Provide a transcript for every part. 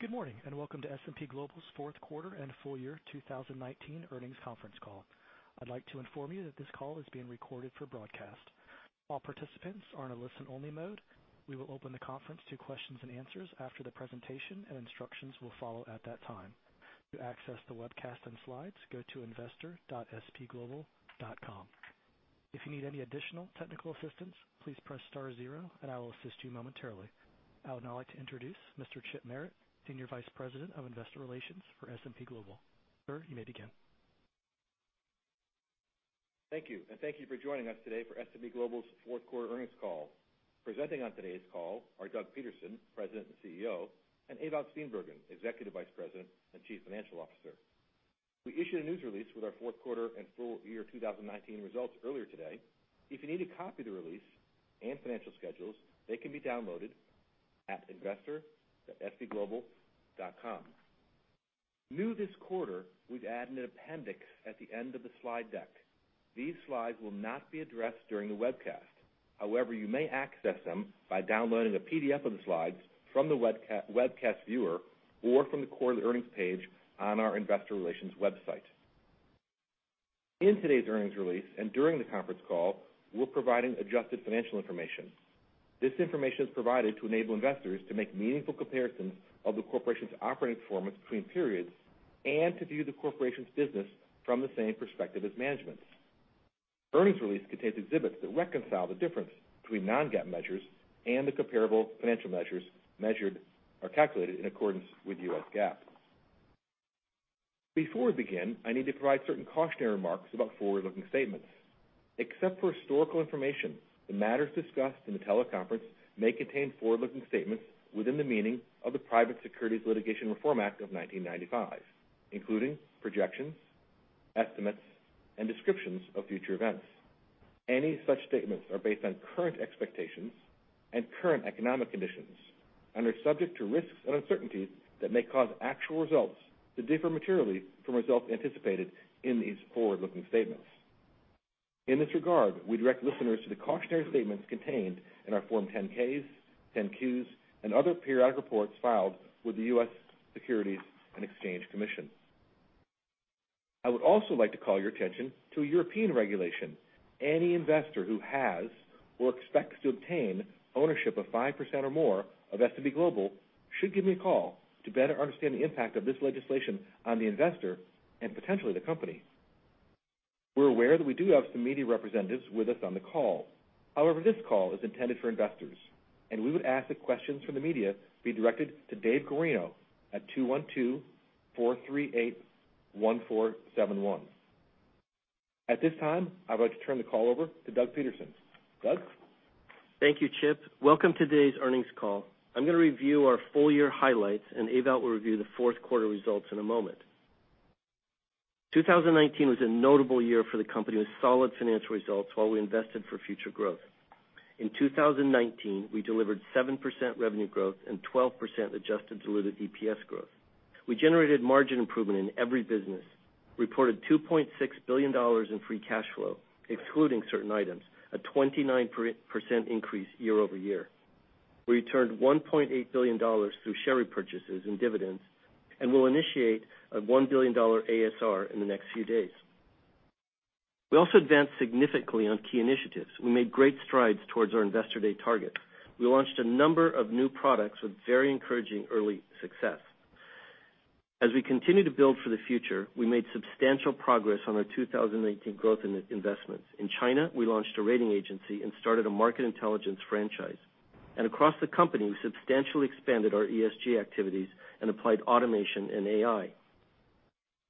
Good morning welcome to S&P Global's fourth quarter and full year 2019 earnings conference call. I'd like to inform you that this call is being recorded for broadcast. All participants are in a listen-only mode. We will open the conference to questions and answers after the presentation, and instructions will follow at that time. To access the webcast and slides, go to investor.spglobal.com. If you need any additional technical assistance, please press star zero and I will assist you momentarily. I would now like to introduce Mr. Chip Merritt, Senior Vice President of Investor Relations for S&P Global. Sir, you may begin. Thank you and thank you for joining us today for S&P Global's fourth quarter earnings call. Presenting on today's call are Doug Peterson, President and CEO, and Ewout Steenbergen, Executive Vice President and Chief Financial Officer. We issued a news release with our fourth quarter and full year 2019 results earlier today. If you need a copy of the release and financial schedules, they can be downloaded at investor.spglobal.com. New this quarter, we've added an appendix at the end of the slide deck. These slides will not be addressed during the webcast. However, you may access them by downloading a PDF of the slides from the webcast viewer or from the quarterly earnings page on our investor relations website. In today's earnings release and during the conference call, we're providing adjusted financial information. This information is provided to enable investors to make meaningful comparisons of the corporation's operating performance between periods and to view the corporation's business from the same perspective as management. Earnings release contains exhibits that reconcile the difference between non-GAAP measures and the comparable financial measures measured or calculated in accordance with U.S. GAAP. Before we begin, I need to provide certain cautionary remarks about forward-looking statements. Except for historical information, the matters discussed in the teleconference may contain forward-looking statements within the meaning of the Private Securities Litigation Reform Act of 1995, including projections, estimates, and descriptions of future events. Any such statements are based on current expectations and current economic conditions and are subject to risks and uncertainties that may cause actual results to differ materially from results anticipated in these forward-looking statements. In this regard, we direct listeners to the cautionary statements contained in our Form 10-Ks, 10-Qs, and other periodic reports filed with the U.S. Securities and Exchange Commission. I would also like to call your attention to a European regulation. Any investor who has or expects to obtain ownership of 5% or more of S&P Global should give me a call to better understand the impact of this legislation on the investor and potentially the company. We're aware that we do have some media representatives with us on the call. However, this call is intended for investors, and we would ask that questions from the media be directed to Dave Guarino at 212-438-1471. At this time, I would like to turn the call over to Doug Peterson. Doug? Thank you Chip. Welcome to today's earnings call. I'm going to review our full-year highlights, and Ewout will review the fourth quarter results in a moment. 2019 was a notable year for the company with solid financial results while we invested for future growth. In 2019, we delivered 7% revenue growth and 12% adjusted diluted EPS growth. We generated margin improvement in every business, reported $2.6 billion in free cash flow, excluding certain items, a 29% increase year-over-year. We returned $1.8 billion through share repurchases and dividends and will initiate a $1 billion ASR in the next few days. We also advanced significantly on key initiatives. We made great strides towards our investor day target. We launched a number of new products with very encouraging early success. As we continue to build for the future, we made substantial progress on our 2019 growth investments. In China, we launched a rating agency and started a market intelligence franchise. Across the company, we substantially expanded our ESG activities and applied automation and AI.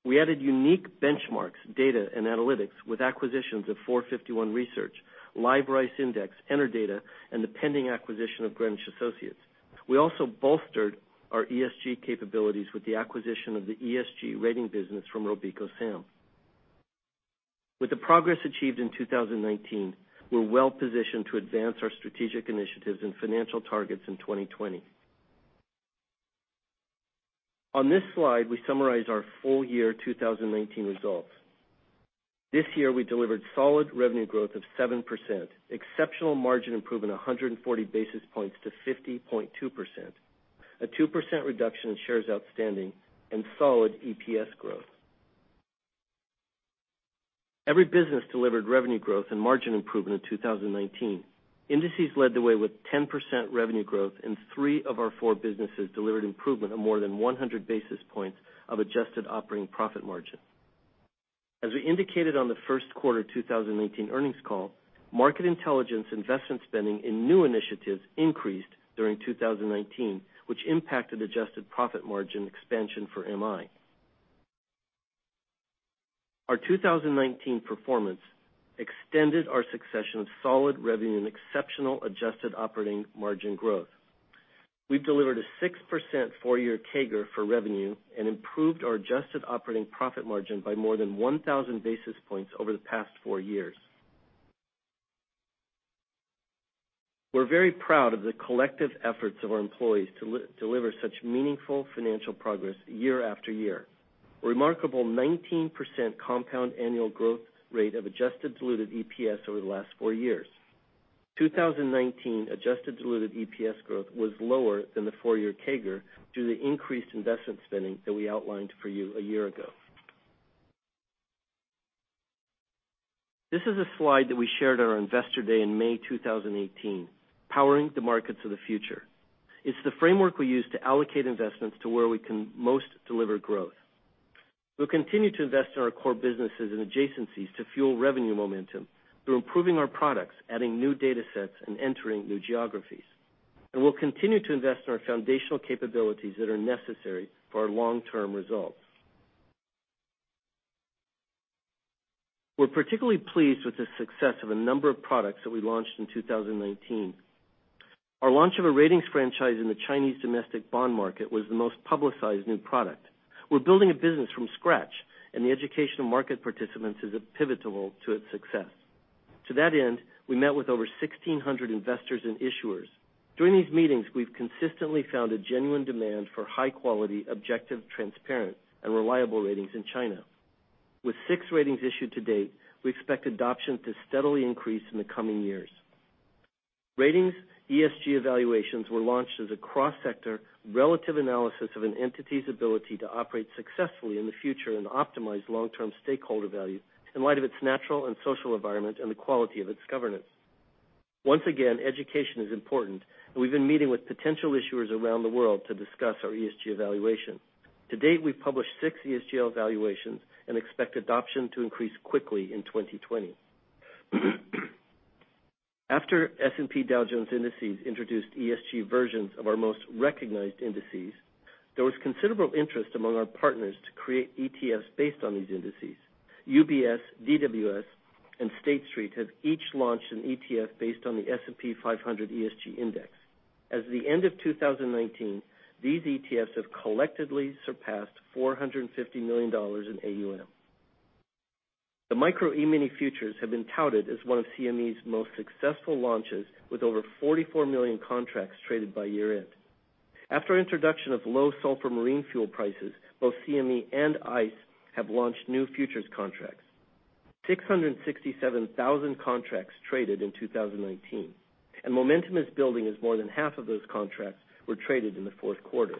We added unique benchmarks, data, and analytics with acquisitions of 451 Research, Live Rice Index, Enerdata, and the pending acquisition of Greenwich Associates. We also bolstered our ESG capabilities with the acquisition of the ESG rating business from RobecoSAM. With the progress achieved in 2019, we're well positioned to advance our strategic initiatives and financial targets in 2020. On this slide, we summarize our full year 2019 results. This year we delivered solid revenue growth of 7%, exceptional margin improvement, 140 basis points to 50.2%, a 2% reduction in shares outstanding, and solid EPS growth. Every business delivered revenue growth and margin improvement in 2019. Indices led the way with 10% revenue growth, and three of our four businesses delivered improvement of more than 100 basis points of adjusted operating profit margin. As we indicated on the first quarter 2019 earnings call, Market Intelligence investment spending in new initiatives increased during 2019, which impacted adjusted profit margin expansion for MI. Our 2019 performance extended our succession of solid revenue and exceptional adjusted operating margin growth. We've delivered a 6% four-year CAGR for revenue and improved our adjusted operating profit margin by more than 1,000 basis points over the past four years. We're very proud of the collective efforts of our employees to deliver such meaningful financial progress year after year. A remarkable 19% compound annual growth rate of adjusted diluted EPS over the last four years. 2019 adjusted diluted EPS growth was lower than the four-year CAGR due to the increased investment spending that we outlined for you a year ago. This is a slide that we shared at our Investor Day in May 2018, Powering the Markets of the Future. It's the framework we use to allocate investments to where we can most deliver growth. We'll continue to invest in our core businesses and adjacencies to fuel revenue momentum through improving our products, adding new data sets, and entering new geographies. We'll continue to invest in our foundational capabilities that are necessary for our long-term results. We're particularly pleased with the success of a number of products that we launched in 2019. Our launch of a ratings franchise in the Chinese domestic bond market was the most publicized new product. We're building a business from scratch, and the education of market participants is pivotal to its success. To that end, we met with over 1,600 investors and issuers. During these meetings, we've consistently found a genuine demand for high quality, objective, transparent, and reliable Ratings in China. With six Ratings issued to date, we expect adoption to steadily increase in the coming years. Ratings ESG evaluations were launched as a cross-sector relative analysis of an entity's ability to operate successfully in the future and optimize long-term stakeholder value in light of its natural and social environment and the quality of its governance. Once again, education is important, and we've been meeting with potential issuers around the world to discuss our ESG evaluation. To date, we've published six ESG evaluations and expect adoption to increase quickly in 2020. After S&P Dow Jones Indices introduced ESG versions of our most recognized indices, there was considerable interest among our partners to create ETFs based on these indices. UBS, DWS, and State Street have each launched an ETF based on the S&P 500 ESG index. As of the end of 2019, these ETFs have collectively surpassed $450 million in AUM. The Micro E-mini Futures have been touted as one of CME's most successful launches, with over 44 million contracts traded by year-end. After introduction of low sulfur marine fuel prices, both CME and ICE have launched new futures contracts. 667,000 contracts traded in 2019, and momentum is building as more than half of those contracts were traded in the fourth quarter.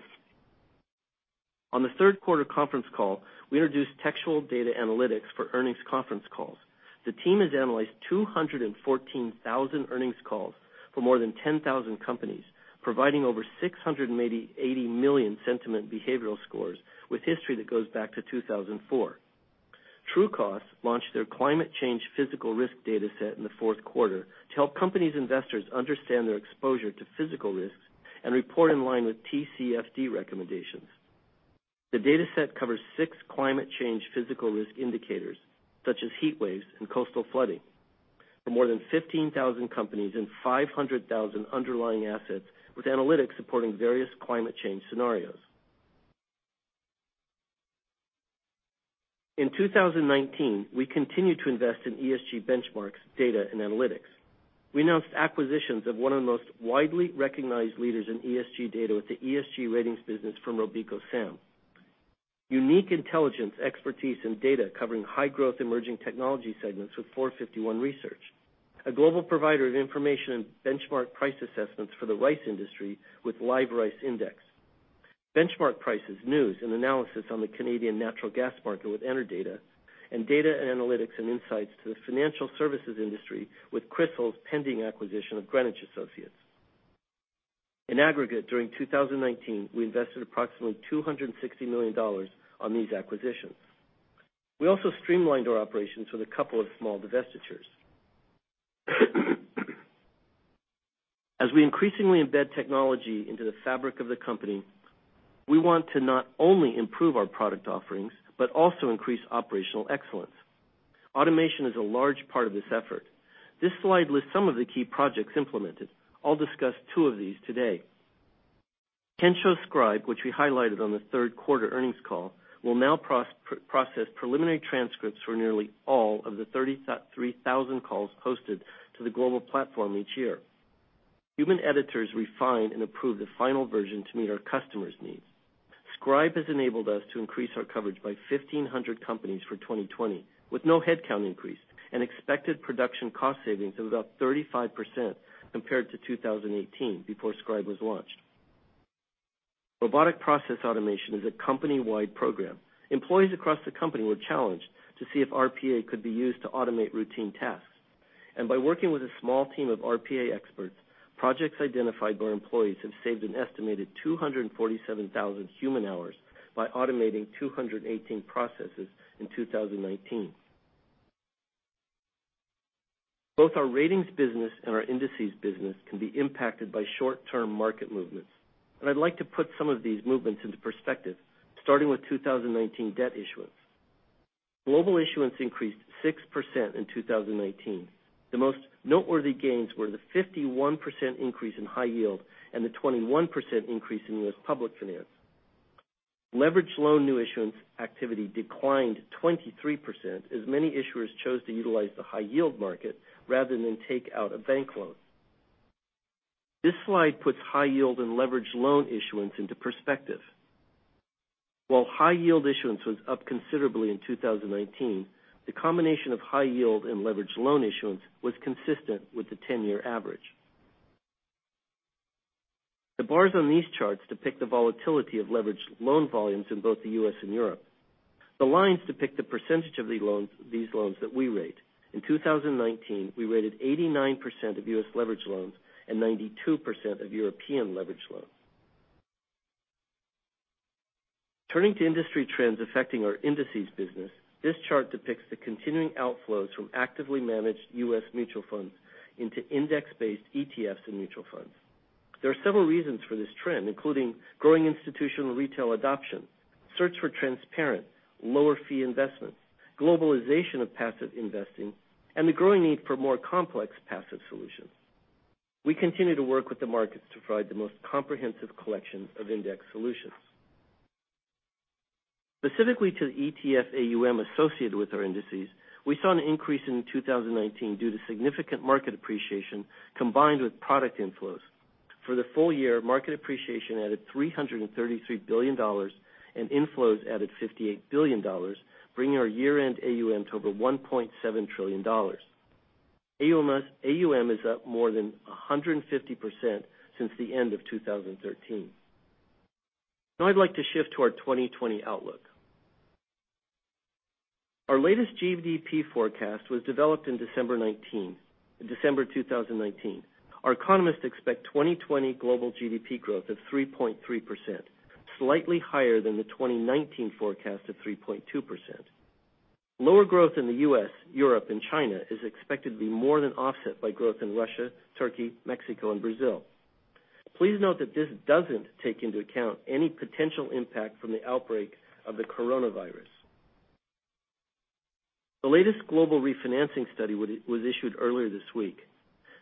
On the third quarter conference call, we introduced textual data analytics for earnings conference calls. The team has analyzed 214,000 earnings calls for more than 10,000 companies, providing over 680 million sentiment behavioral scores with history that goes back to 2004. Trucost launched their climate change physical risk data set in the fourth quarter to help companies' investors understand their exposure to physical risks and report in line with TCFD recommendations. The data set covers six climate change physical risk indicators, such as heat waves and coastal flooding, for more than 15,000 companies and 500,000 underlying assets with analytics supporting various climate change scenarios. In 2019, we continued to invest in ESG benchmarks, data, and analytics. We announced acquisitions of one of the most widely recognized leaders in ESG data with the ESG ratings business from RobecoSAM. Unique intelligence expertise in data covering high-growth emerging technology segments with 451 Research, a global provider of information and benchmark price assessments for the rice industry with Live Rice Index. Benchmark prices, news, and analysis on the Canadian natural gas market with Enerdata. Data analytics and insights to the financial services industry with Crisil's pending acquisition of Greenwich Associates. In aggregate, during 2019, we invested approximately $260 million on these acquisitions. We also streamlined our operations with a couple of small divestitures. As we increasingly embed technology into the fabric of the company, we want to not only improve our product offerings, but also increase operational excellence. Automation is a large part of this effort. This slide lists some of the key projects implemented. I'll discuss two of these today. Kensho Scribe, which we highlighted on the third quarter earnings call, will now process preliminary transcripts for nearly all of the 33,000 calls hosted to the global platform each year. Human editors refine and approve the final version to meet our customers' needs. Scribe has enabled us to increase our coverage by 1,500 companies for 2020, with no headcount increase and expected production cost savings of about 35% compared to 2018, before Scribe was launched. Robotic process automation is a company-wide program. Employees across the company were challenged to see if RPA could be used to automate routine tasks. By working with a small team of RPA experts, projects identified by our employees have saved an estimated 247,000 human hours by automating 218 processes in 2019. Both our ratings business and our indices business can be impacted by short-term market movements. I'd like to put some of these movements into perspective, starting with 2019 debt issuance. Global issuance increased 6% in 2019. The most noteworthy gains were the 51% increase in high yield and the 21% increase in U.S. public finance. Leveraged loan new issuance activity declined 23% as many issuers chose to utilize the high-yield market rather than take out a bank loan. This slide puts high yield and leverage loan issuance into perspective. While high yield issuance was up considerably in 2019, the combination of high yield and leverage loan issuance was consistent with the 10-year average. The bars on these charts depict the volatility of leverage loan volumes in both the U.S. and Europe. The lines depict the percentage of these loans that we rate. In 2019, we rated 89% of U.S. leverage loans and 92% of European leverage loans. Turning to industry trends affecting our indices business, this chart depicts the continuing outflows from actively managed U.S. mutual funds into index-based ETFs and mutual funds. There are several reasons for this trend, including growing institutional retail adoption, search for transparent lower fee investments, globalization of passive investing, and the growing need for more complex passive solutions. We continue to work with the markets to provide the most comprehensive collection of index solutions. Specifically to the ETF AUM associated with our indices, we saw an increase in 2019 due to significant market appreciation combined with product inflows. For the full year, market appreciation added $333 billion, and inflows added $58 billion, bringing our year-end AUM to over $1.7 trillion. AUM is up more than 150% since the end of 2013. Now I'd like to shift to our 2020 outlook. Our latest GDP forecast was developed in December 19. In December 2019. Our economists expect 2020 global GDP growth of 3.3%, slightly higher than the 2019 forecast of 3.2%. Lower growth in the U.S., Europe, and China is expected to be more than offset by growth in Russia, Turkey, Mexico, and Brazil. Please note that this doesn't take into account any potential impact from the outbreak of the coronavirus. The latest global refinancing study was issued earlier this week.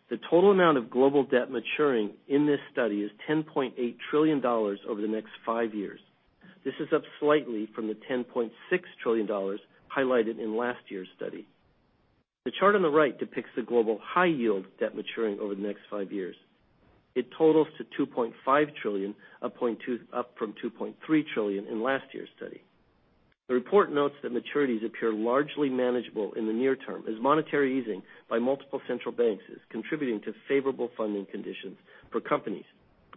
The total amount of global debt maturing in this study is $10.8 trillion over the next five years. This is up slightly from the $10.6 trillion highlighted in last year's study. The chart on the right depicts the global high yield debt maturing over the next five years. It totals to $2.5 trillion, up from $2.3 trillion in last year's study. The report notes that maturities appear largely manageable in the near term, as monetary easing by multiple central banks is contributing to favorable funding conditions for companies,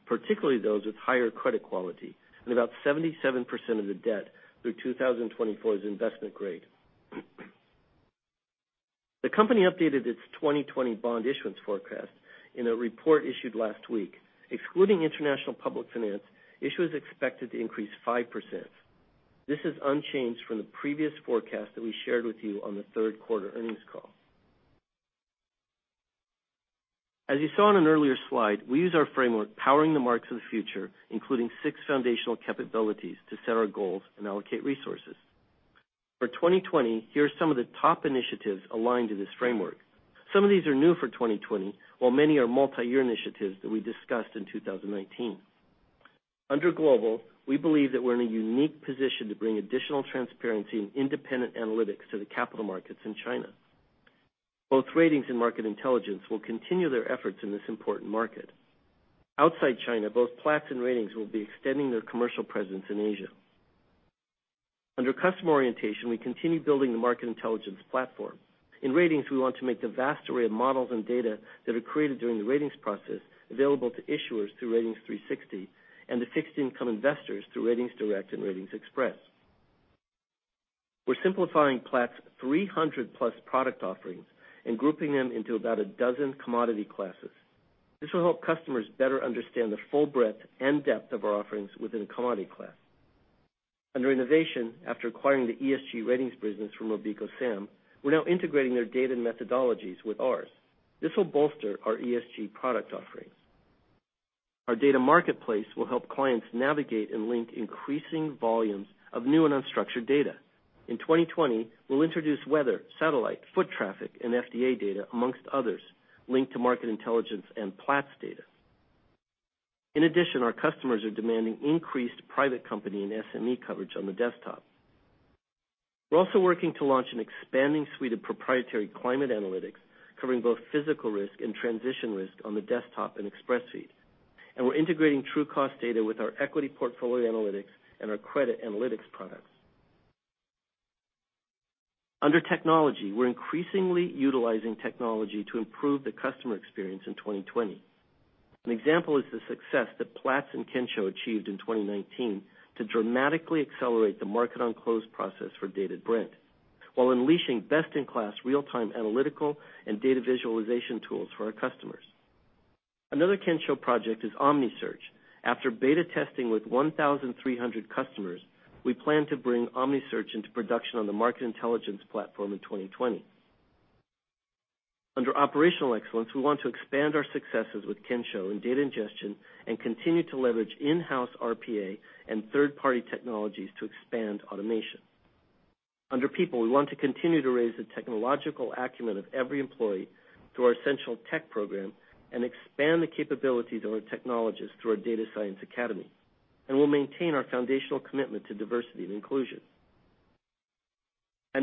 particularly those with higher credit quality, and about 77% of the debt through 2024 is investment grade. The company updated its 2020 bond issuance forecast in a report issued last week. Excluding international public finance, issue is expected to increase 5%. This is unchanged from the previous forecast that we shared with you on the third quarter earnings call. As you saw on an earlier slide, we use our framework, Powering the Markets of the Future, including six foundational capabilities to set our goals and allocate resources. For 2020, here are some of the top initiatives aligned to this framework. Some of these are new for 2020, while many are multi-year initiatives that we discussed in 2019. Under S&P Global, we believe that we're in a unique position to bring additional transparency and independent analytics to the capital markets in China. Both S&P Global Ratings and S&P Global Market Intelligence will continue their efforts in this important market. Outside China, both Platts and S&P Global Ratings will be extending their commercial presence in Asia. Under customer orientation, we continue building the S&P Global Market Intelligence platform. In S&P Global Ratings, we want to make the vast array of models and data that are created during the ratings process available to issuers through Ratings360 and to fixed income investors through RatingsDirect and RatingsXpress. We're simplifying Platts' 300+ product offerings and grouping them into about 12 commodity classes. This will help customers better understand the full breadth and depth of our offerings within a commodity class. Under innovation, after acquiring the ESG ratings business from RobecoSAM, we're now integrating their data and methodologies with ours. This will bolster our ESG product offerings. Our data marketplace will help clients navigate and link increasing volumes of new and unstructured data. In 2020, we'll introduce weather, satellite, foot traffic, and FDA data, amongst others, linked to Market Intelligence and Platts data. Our customers are demanding increased private company and SME coverage on the desktop. We're also working to launch an expanding suite of proprietary climate analytics covering both physical risk and transition risk on the desktop and Xpressfeed. We're integrating Trucost data with our equity portfolio analytics and our credit analytics products. Under technology, we're increasingly utilizing technology to improve the customer experience in 2020. An example is the success that Platts and Kensho achieved in 2019 to dramatically accelerate the market on close process for Platts Dated Brent, while unleashing best-in-class real-time analytical and data visualization tools for our customers. Another Kensho project is OmniSearch. After beta testing with 1,300 customers, we plan to bring OmniSearch into production on the Market Intelligence platform in 2020. Under operational excellence, we want to expand our successes with Kensho and data ingestion and continue to leverage in-house RPA and third-party technologies to expand automation. Under people, we want to continue to raise the technological acumen of every employee through our essential tech program and expand the capabilities of our technologists through our data science academy. We'll maintain our foundational commitment to diversity and inclusion.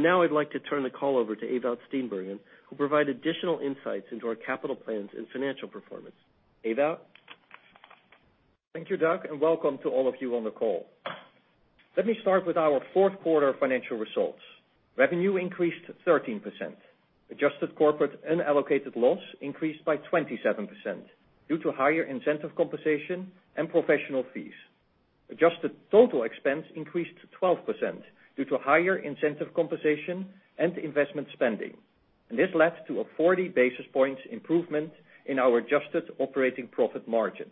Now I'd like to turn the call over to Ewout Steenbergen, who'll provide additional insights into our capital plans and financial performance. Ewout? Thank you Doug, and welcome to all of you on the call. Let me start with our fourth quarter financial results. Revenue increased 13%. Adjusted corporate unallocated loss increased by 27% due to higher incentive compensation and professional fees. Adjusted total expense increased to 12% due to higher incentive compensation and investment spending. This led to a 40 basis points improvement in our adjusted operating profit margin.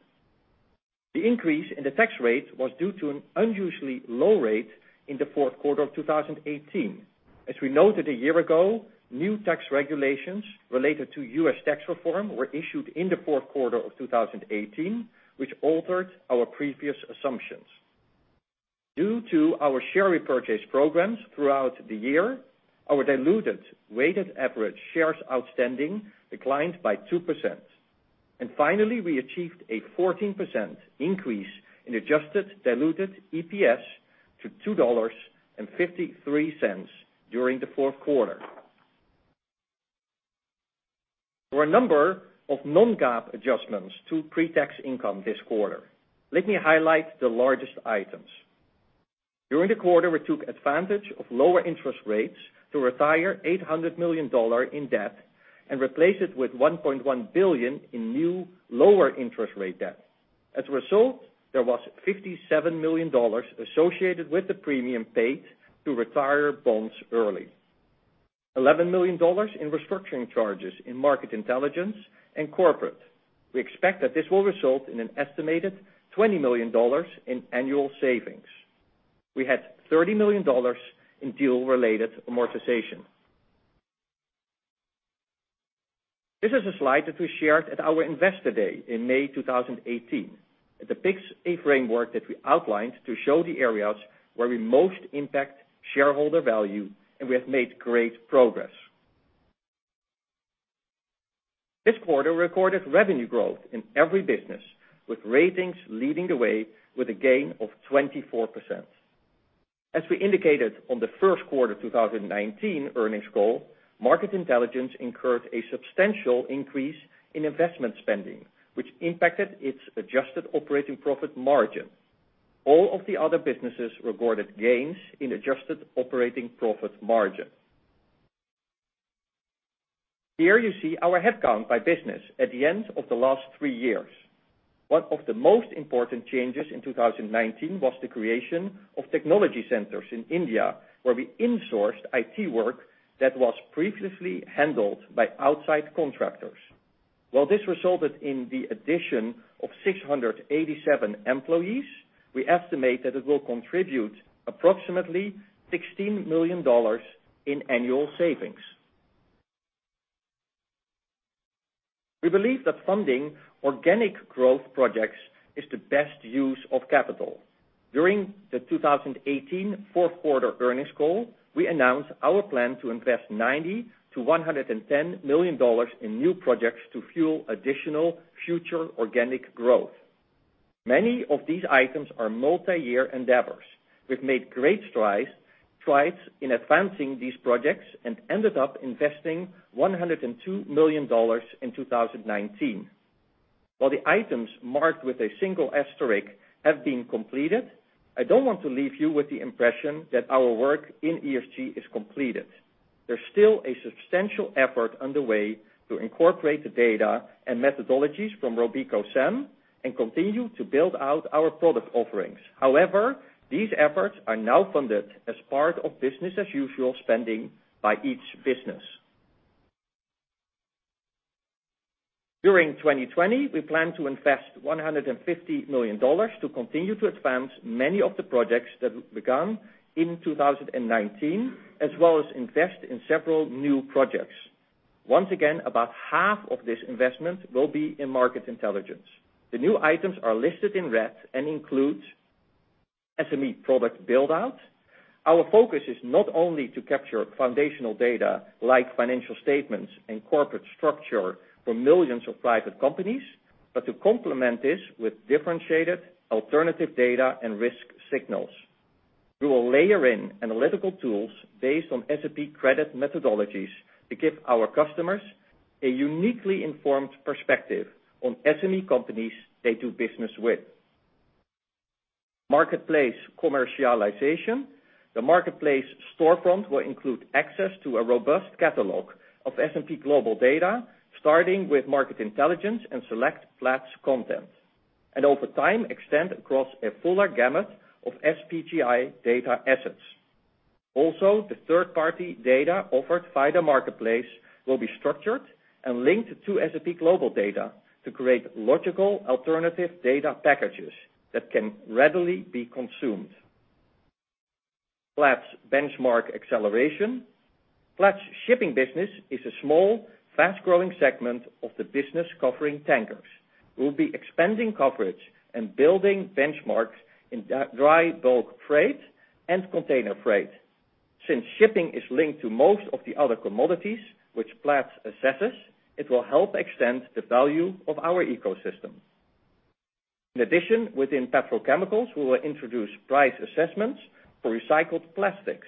The increase in the tax rate was due to an unusually low rate in the fourth quarter of 2018. As we noted a year ago, new tax regulations related to U.S. tax reform were issued in the fourth quarter of 2018, which altered our previous assumptions. Due to our share repurchase programs throughout the year, our diluted weighted average shares outstanding declined by 2%. Finally, we achieved a 14% increase in adjusted diluted EPS to $2.53 during the fourth quarter. There were a number of non-GAAP adjustments to pre-tax income this quarter. Let me highlight the largest items. During the quarter, we took advantage of lower interest rates to retire $800 million in debt and replace it with $1.1 billion in new lower interest rate debt. As a result, there was $57 million associated with the premium paid to retire bonds early. $11 million in restructuring charges in Market Intelligence and corporate. We expect that this will result in an estimated $20 million in annual savings. We had $30 million in deal-related amortization. This is a slide that we shared at our Investor Day in May 2018. It depicts a framework that we outlined to show the areas where we most impact shareholder value, and we have made great progress. This quarter recorded revenue growth in every business, with Ratings leading the way with a gain of 24%. As we indicated on the first quarter of 2019 earnings call, Market Intelligence incurred a substantial increase in investment spending, which impacted its adjusted operating profit margin. All of the other businesses recorded gains in adjusted operating profit margin. Here you see our headcount by business at the end of the last three years. One of the most important changes in 2019 was the creation of technology centers in India, where we insourced IT work that was previously handled by outside contractors. While this resulted in the addition of 687 employees, we estimate that it will contribute approximately $16 million in annual savings. We believe that funding organic growth projects is the best use of capital. During the 2018 fourth quarter earnings call, we announced our plan to invest $90 million-$110 million in new projects to fuel additional future organic growth. Many of these items are multi-year endeavors. We've made great strides in advancing these projects and ended up investing $102 million in 2019. While the items marked with a single asterisk have been completed, I don't want to leave you with the impression that our work in ESG is completed. There's still a substantial effort underway to incorporate the data and methodologies from RobecoSAM and continue to build out our product offerings. However, these efforts are now funded as part of business as usual spending by each business. During 2020, we plan to invest $150 million to continue to advance many of the projects that begun in 2019, as well as invest in several new projects. Once again, about half of this investment will be in Market Intelligence. The new items are listed in red and includes SME product build-out. Our focus is not only to capture foundational data like financial statements and corporate structure for millions of private companies, but to complement this with differentiated alternative data and risk signals. We will layer in analytical tools based on S&P credit methodologies to give our customers a uniquely informed perspective on SME companies they do business with. Marketplace commercialization. The marketplace storefront will include access to a robust catalog of S&P Global data, starting with Market Intelligence and select Platts content, and over time, extend across a fuller gamut of SPGI data assets. The third-party data offered by the marketplace will be structured and linked to S&P Global data to create logical alternative data packages that can readily be consumed. Platts benchmark acceleration. Platts shipping business is a small, fast-growing segment of the business covering tankers. We'll be expanding coverage and building benchmarks in dry bulk freight and container freight. Since shipping is linked to most of the other commodities which Platts assesses, it will help extend the value of our ecosystem. In addition, within petrochemicals, we will introduce price assessments for recycled plastics.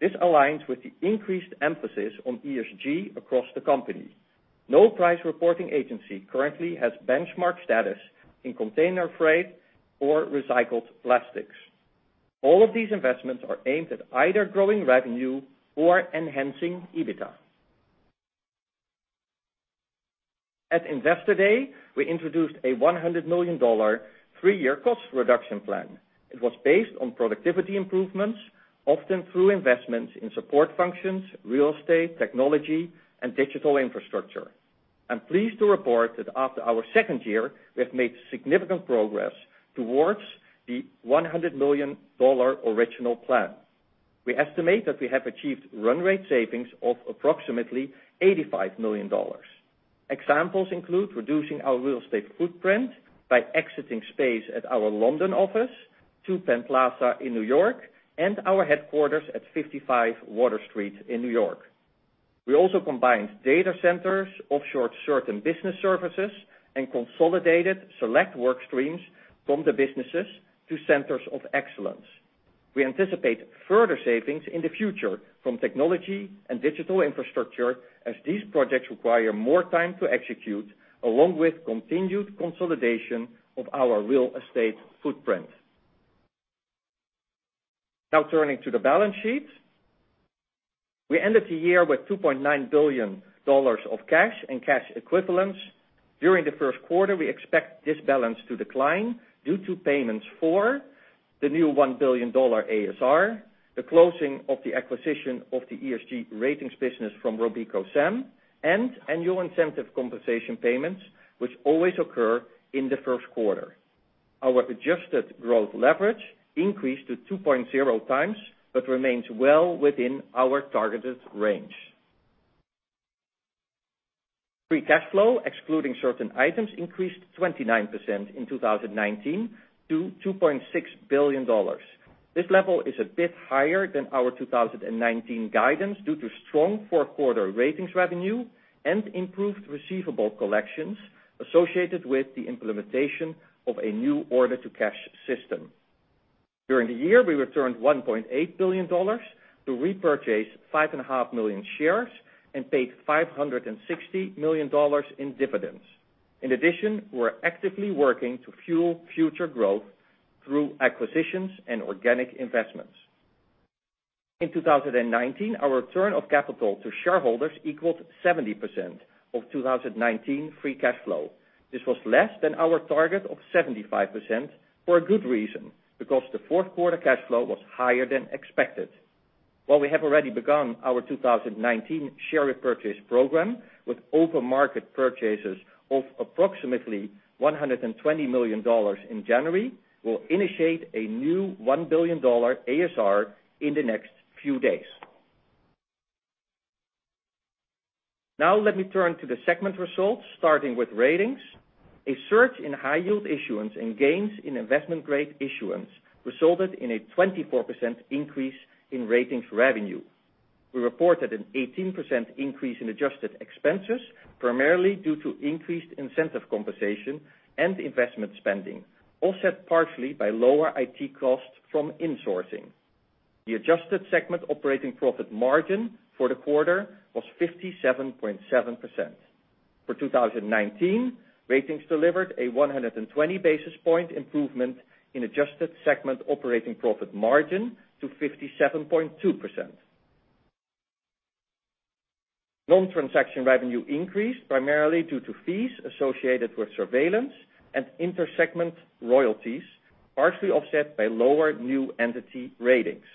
This aligns with the increased emphasis on ESG across the company. No price reporting agency currently has benchmark status in container freight or recycled plastics. All of these investments are aimed at either growing revenue or enhancing EBITDA. At Investor Day, we introduced a $100 million three-year cost reduction plan. It was based on productivity improvements, often through investments in support functions, real estate, technology, and digital infrastructure. I'm pleased to report that after our second year, we have made significant progress towards the $100 million original plan. We estimate that we have achieved run rate savings of approximately $85 million. Examples include reducing our real estate footprint by exiting space at our London office, Two Penn Plaza in New York, and our headquarters at 55 Water Street in New York. We also combined data centers, offshore certain business services, and consolidated select work streams from the businesses to centers of excellence. We anticipate further savings in the future from technology and digital infrastructure as these projects require more time to execute, along with continued consolidation of our real estate footprint. Turning to the balance sheet. We ended the year with $2.9 billion of cash and cash equivalents. During the first quarter, we expect this balance to decline due to payments for the new $1 billion ASR, the closing of the acquisition of the ESG ratings business from RobecoSAM, and annual incentive compensation payments, which always occur in the first quarter. Our adjusted gross leverage increased to 2.0x, but remains well within our targeted range. Free cash flow, excluding certain items, increased 29% in 2019 to $2.6 billion. This level is a bit higher than our 2019 guidance due to strong fourth quarter Ratings revenue and improved receivable collections associated with the implementation of a new order-to-cash system. During the year, we returned $1.8 billion to repurchase 5.5 million shares and paid $560 million in dividends. In addition, we're actively working to fuel future growth through acquisitions and organic investments. In 2019, our return of capital to shareholders equaled 70% of 2019 free cash flow. This was less than our target of 75% for a good reason, because the fourth quarter cash flow was higher than expected. While we have already begun our 2019 share repurchase program with open market purchases of approximately $120 million in January, we'll initiate a new $1 billion ASR in the next few days. Now let me turn to the segment results, starting with Ratings. A surge in high yield issuance and gains in investment-grade issuance resulted in a 24% increase in Ratings revenue. We reported an 18% increase in adjusted expenses, primarily due to increased incentive compensation and investment spending, offset partially by lower IT costs from insourcing. The adjusted segment operating profit margin for the quarter was 57.7%. For 2019, Ratings delivered a 120 basis point improvement in adjusted segment operating profit margin to 57.2%. Non-transaction revenue increased primarily due to fees associated with surveillance and inter-segment royalties, partially offset by lower new entity Ratings.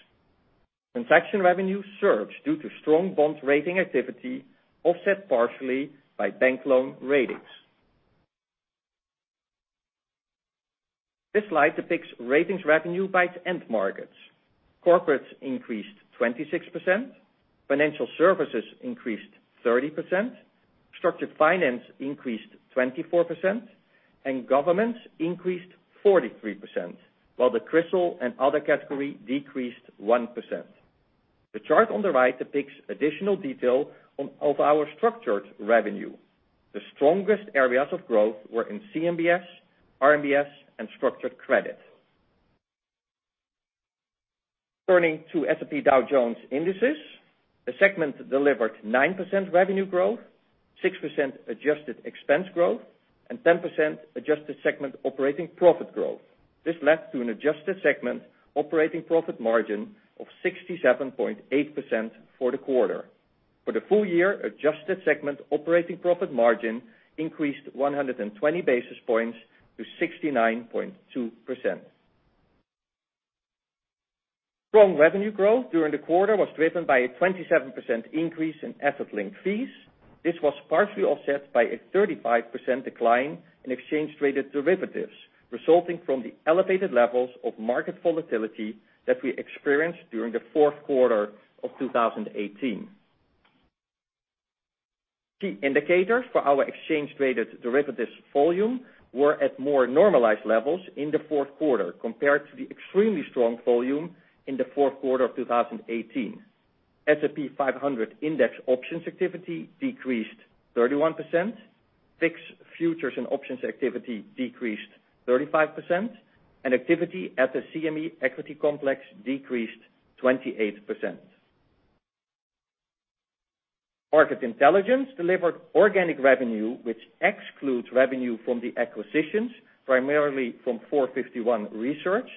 Transaction revenue surged due to strong bond Ratings activity, offset partially by bank loan Ratings. This slide depicts ratings revenue by end markets. Corporates increased 26%, financial services increased 30%, structured finance increased 24%, and governments increased 43%, while the Crisil and other category decreased 1%. The chart on the right depicts additional detail of our structured revenue. The strongest areas of growth were in CMBS, RMBS, and structured credit. Turning to S&P Dow Jones Indices. The segment delivered 9% revenue growth, 6% adjusted expense growth, and 10% adjusted segment operating profit growth. This led to an adjusted segment operating profit margin of 67.8% for the quarter. For the full year, adjusted segment operating profit margin increased 120 basis points to 69.2%. Strong revenue growth during the quarter was driven by a 27% increase in asset-linked fees. This was partially offset by a 35% decline in exchange traded derivatives, resulting from the elevated levels of market volatility that we experienced during the fourth quarter of 2018. Key indicators for our exchange traded derivatives volume were at more normalized levels in the fourth quarter compared to the extremely strong volume in the fourth quarter of 2018. S&P 500 index options activity decreased 31%, fixed futures and options activity decreased 35%, and activity at the CME equity complex decreased 28%. Market Intelligence delivered organic revenue, which excludes revenue from the acquisitions, primarily from 451 Research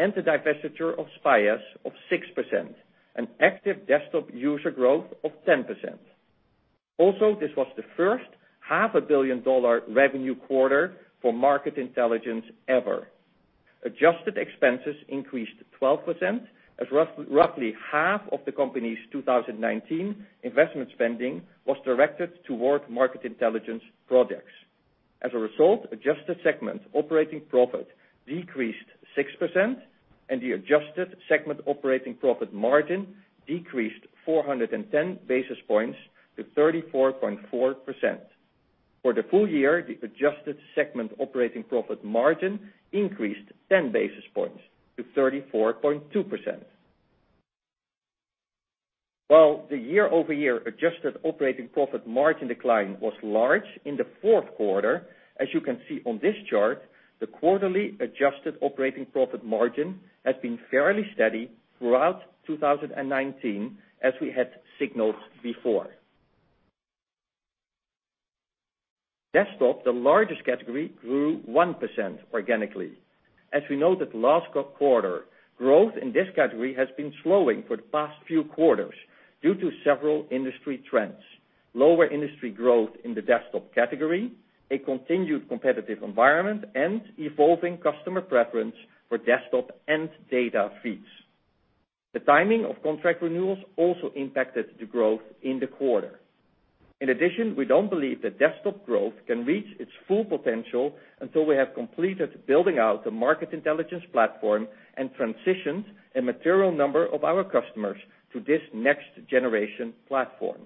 and the divestiture of SPIAS of 6%, an active desktop user growth of 10%. This was the first half a billion-dollar revenue quarter for Market Intelligence ever. Adjusted expenses increased 12%, as roughly half of the company's 2019 investment spending was directed toward Market Intelligence projects. As a result, adjusted segment operating profit decreased 6%, and the adjusted segment operating profit margin decreased 410 basis points to 34.4%. For the full year, the adjusted segment operating profit margin increased 10 basis points to 34.2%. While the year-over-year adjusted operating profit margin decline was large in the fourth quarter, as you can see on this chart, the quarterly adjusted operating profit margin has been fairly steady throughout 2019, as we had signaled before. Desktop, the largest category, grew 1% organically. As we noted last quarter, growth in this category has been slowing for the past few quarters due to several industry trends: lower industry growth in the desktop category, a continued competitive environment, and evolving customer preference for desktop and data feeds. The timing of contract renewals also impacted the growth in the quarter. We don't believe that desktop growth can reach its full potential until we have completed building out the Market Intelligence platform and transitioned a material number of our customers to this next-generation platform.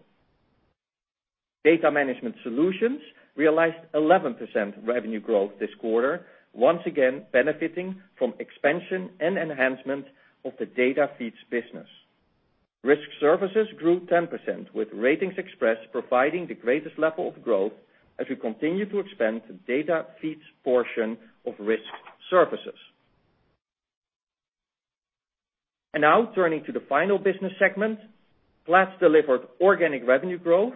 Data management solutions realized 11% revenue growth this quarter, once again, benefiting from expansion and enhancement of the data feeds business. Risk services grew 10%, with RatingsXpress providing the greatest level of growth as we continue to expand the data feeds portion of risk services. Now turning to the final business segment, Platts delivered organic revenue growth,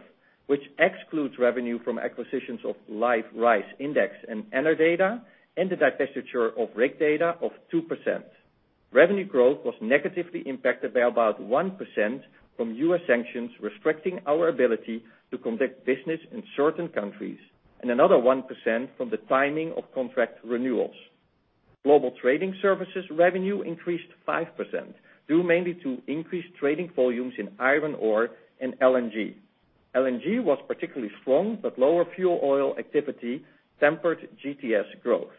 which excludes revenue from acquisitions of Live Rice Index and Enerdata, and the divestiture of RigData of 2%. Revenue growth was negatively impacted by about 1% from U.S. sanctions restricting our ability to conduct business in certain countries, and another 1% from the timing of contract renewals. Global trading services revenue increased 5%, due mainly to increased trading volumes in iron ore and LNG. LNG was particularly strong, but lower fuel oil activity tempered GTS growth.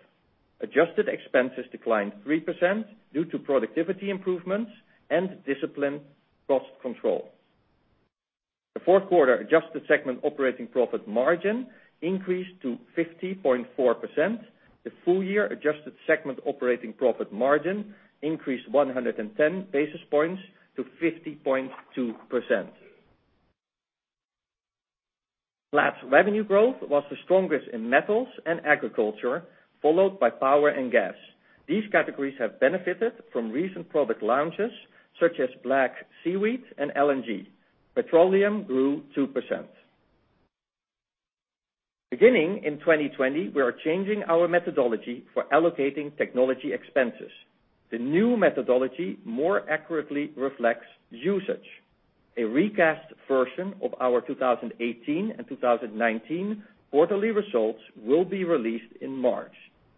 Adjusted expenses declined 3% due to productivity improvements and disciplined cost control. The fourth quarter adjusted segment operating profit margin increased to 50.4%. The full-year adjusted segment operating profit margin increased 110 basis points to 50.2%. Platts revenue growth was the strongest in metals and agriculture, followed by power and gas. These categories have benefited from recent product launches, such as Black Sea wheat and LNG. Petroleum grew 2%. Beginning in 2020, we are changing our methodology for allocating technology expenses. The new methodology more accurately reflects usage. A recast version of our 2018 and 2019 quarterly results will be released in March.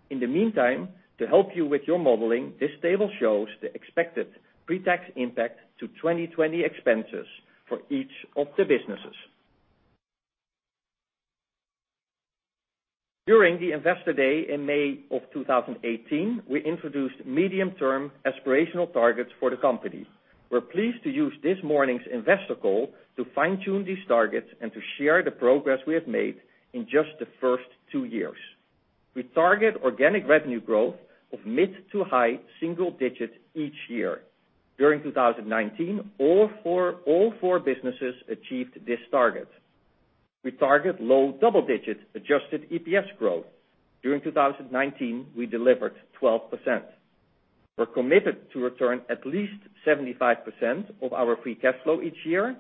In the meantime, to help you with your modeling, this table shows the expected pre-tax impact to 2020 expenses for each of the businesses. During the investor day in May of 2018, we introduced medium-term aspirational targets for the company. We're pleased to use this morning's investor call to fine-tune these targets and to share the progress we have made in just the first two years. We target organic revenue growth of mid-to-high single digits each year. During 2019, all four businesses achieved this target. We target low double-digit adjusted EPS growth. During 2019, we delivered 12%. We're committed to return at least 75% of our free cash flow each year.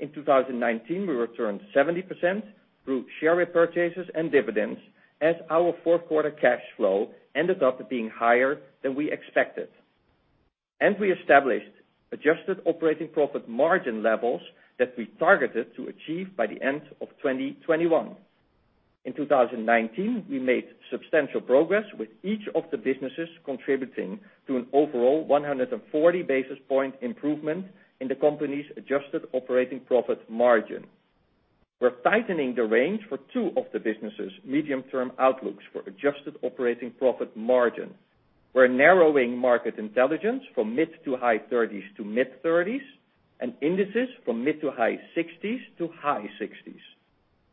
In 2019, we returned 70% through share repurchases and dividends as our fourth quarter cash flow ended up being higher than we expected. We established adjusted operating profit margin levels that we targeted to achieve by the end of 2021. In 2019, we made substantial progress with each of the businesses contributing to an overall 140 basis point improvement in the company's adjusted operating profit margin. We're tightening the range for two of the businesses' medium-term outlooks for adjusted operating profit margin. We're narrowing Market Intelligence from mid-to-high 30s to mid-30s, and Indices from mid-to-high 60s to high 60s.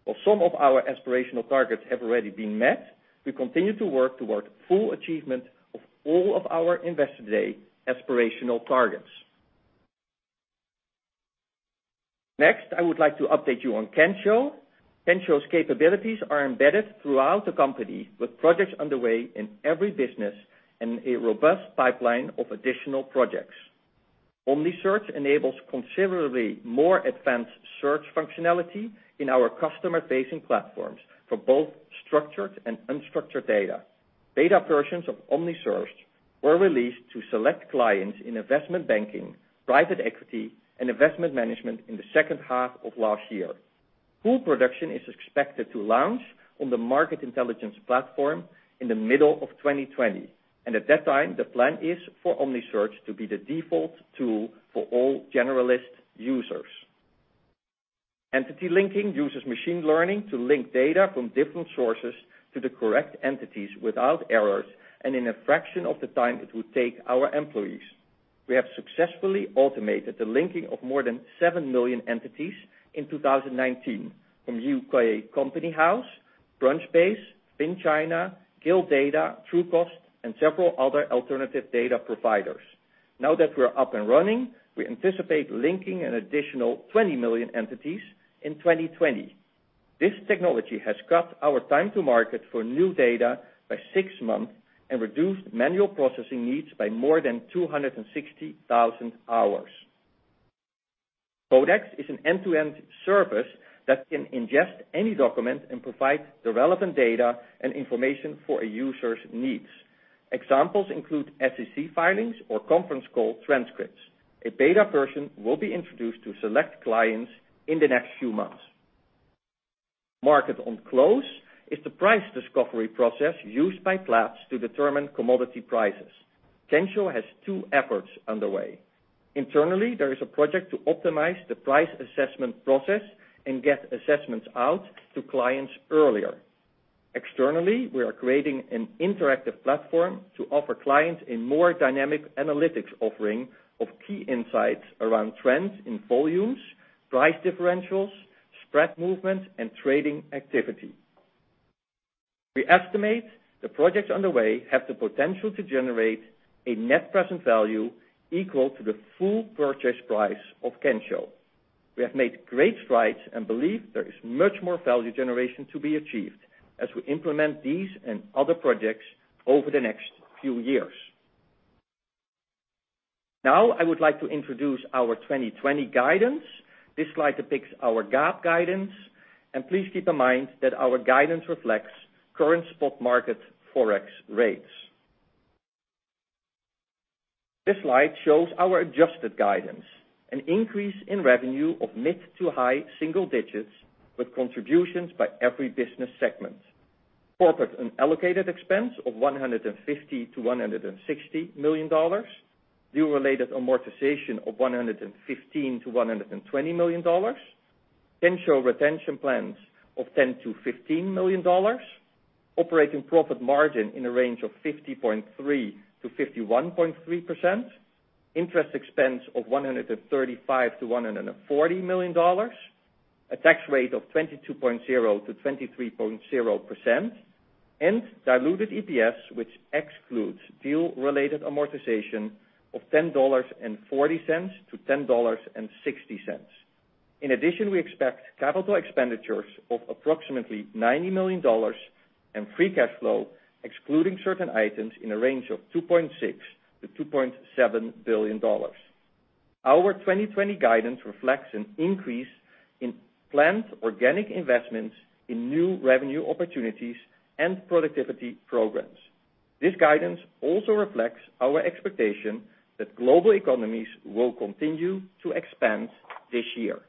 While some of our aspirational targets have already been met, we continue to work toward full achievement of all of our Investor Day aspirational targets. Next, I would like to update you on Kensho. Kensho's capabilities are embedded throughout the company, with projects underway in every business and a robust pipeline of additional projects. Omnisearch enables considerably more advanced search functionality in our customer-facing platforms for both structured and unstructured data. Beta versions of Omnisearch were released to select clients in investment banking, private equity, and investment management in the second half of last year. Full production is expected to launch on the market intelligence platform in the middle of 2020. At that time, the plan is for Omnisearch to be the default tool for all generalist users. Entity linking uses machine learning to link data from different sources to the correct entities without errors and in a fraction of the time it would take our employees. We have successfully automated the linking of more than seven million entities in 2019 from U.K. Companies House, Crunchbase, FinChina, Guild Data, Trucost, and several other alternative data providers. Now that we're up and running, we anticipate linking an additional 20 million entities in 2020. This technology has cut our time to market for new data by six months and reduced manual processing needs by more than 260,000 hours. Codex is an end-to-end service that can ingest any document and provide the relevant data and information for a user's needs. Examples include SEC filings or conference call transcripts. A beta version will be introduced to select clients in the next few months. Market-on-close is the price discovery process used by Platts to determine commodity prices. Kensho has two efforts underway. Internally, there is a project to optimize the price assessment process and get assessments out to clients earlier. Externally, we are creating an interactive platform to offer clients a more dynamic analytics offering of key insights around trends in volumes, price differentials, spread movement, and trading activity. We estimate the projects underway have the potential to generate a net present value equal to the full purchase price of Kensho. We have made great strides and believe there is much more value generation to be achieved as we implement these and other projects over the next few years. I would like to introduce our 2020 guidance. This slide depicts our GAAP guidance. Please keep in mind that our guidance reflects current spot market Forex rates. This slide shows our adjusted guidance, an increase in revenue of mid to high single digits with contributions by every business segment. Corporate and allocated expense of $150 million-$160 million, deal-related amortization of $115 million-$120 million, Kensho retention plans of $10 million-$15 million, operating profit margin in a range of 50.3%-51.3%, interest expense of $135 million-$140 million, a tax rate of 22.0%-23.0%, and diluted EPS, which excludes deal-related amortization of $10.40-$10.60. In addition, we expect capital expenditures of approximately $90 million and free cash flow, excluding certain items in a range of $2.6 billion-$2.7 billion. Our 2020 guidance reflects an increase in planned organic investments in new revenue opportunities and productivity programs. This guidance also reflects our expectation that global economies will continue to expand this year.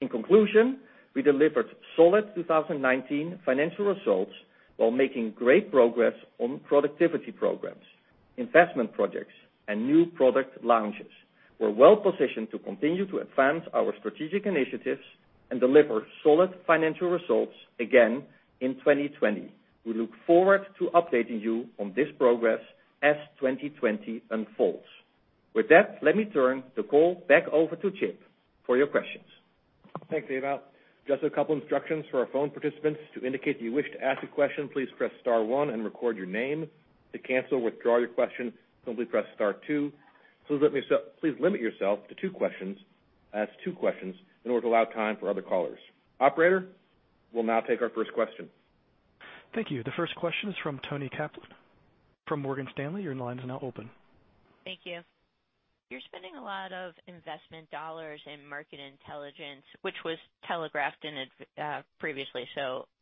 In conclusion, we delivered solid 2019 financial results while making great progress on productivity programs, investment projects, and new product launches. We're well positioned to continue to advance our strategic initiatives and deliver solid financial results again in 2020. We look forward to updating you on this progress as 2020 unfolds. Let me turn the call back over to Chip for your questions. Thanks Ewout. Just a couple instructions for our phone participants. To indicate that you wish to ask a question, please press star one and record your name. To cancel or withdraw your question, simply press star two. Please limit yourself to two questions, ask two questions in order to allow time for other callers. Operator, we'll now take our first question. Thank you. The first question is from Toni Kaplan from Morgan Stanley. Your line is now open. Thank you. You're spending a lot of investment dollars in Market Intelligence, which was telegraphed previously.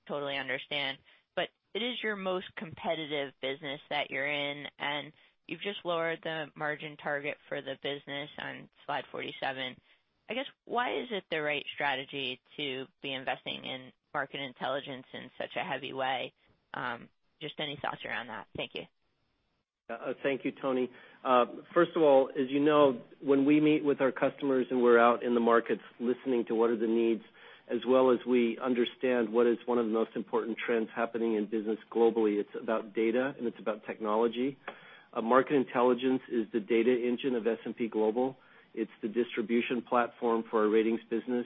Totally understand. It is your most competitive business that you're in, and you've just lowered the margin target for the business on slide 47. I guess why is it the right strategy to be investing in Market Intelligence in such a heavy way? Just any thoughts around that? Thank you. Thank you Toni. First of all, as you know, when we meet with our customers, and we're out in the markets listening to what are the needs, as well as we understand what is one of the most important trends happening in business globally, it's about data, and it's about technology Market Intelligence is the data engine of S&P Global. It's the distribution platform for our ratings business.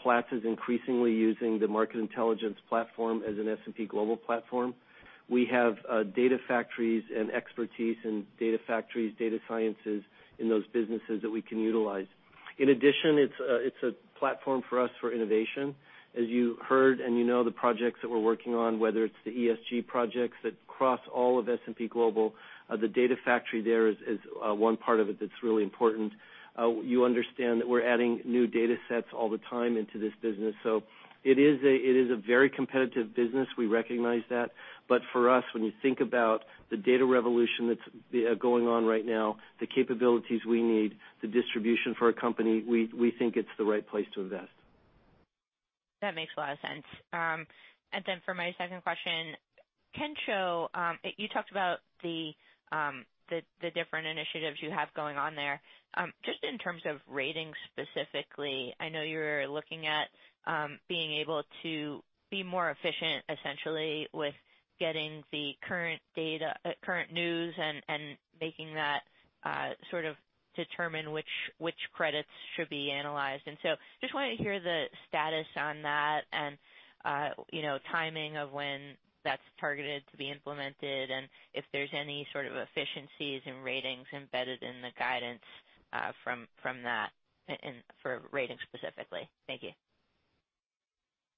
Platts is increasingly using the Market Intelligence platform as an S&P Global platform. We have data factories and expertise in data factories, data sciences in those businesses that we can utilize. In addition, it's a platform for us for innovation. As you heard, and you know the projects that we're working on, whether it's the ESG projects that cross all of S&P Global, the data factory there is one part of it that's really important. You understand that we're adding new data sets all the time into this business. It is a very competitive business. We recognize that. For us, when you think about the data revolution that's going on right now, the capabilities we need, the distribution for a company, we think it's the right place to invest. That makes a lot of sense. For my second question, Kensho, you talked about the different initiatives you have going on there. Just in terms of ratings specifically, I know you're looking at being able to be more efficient, essentially, with getting the current news, and making that determine which credits should be analyzed. Just want to hear the status on that and timing of when that's targeted to be implemented, and if there's any sort of efficiencies in ratings embedded in the guidance from that for ratings specifically. Thank you.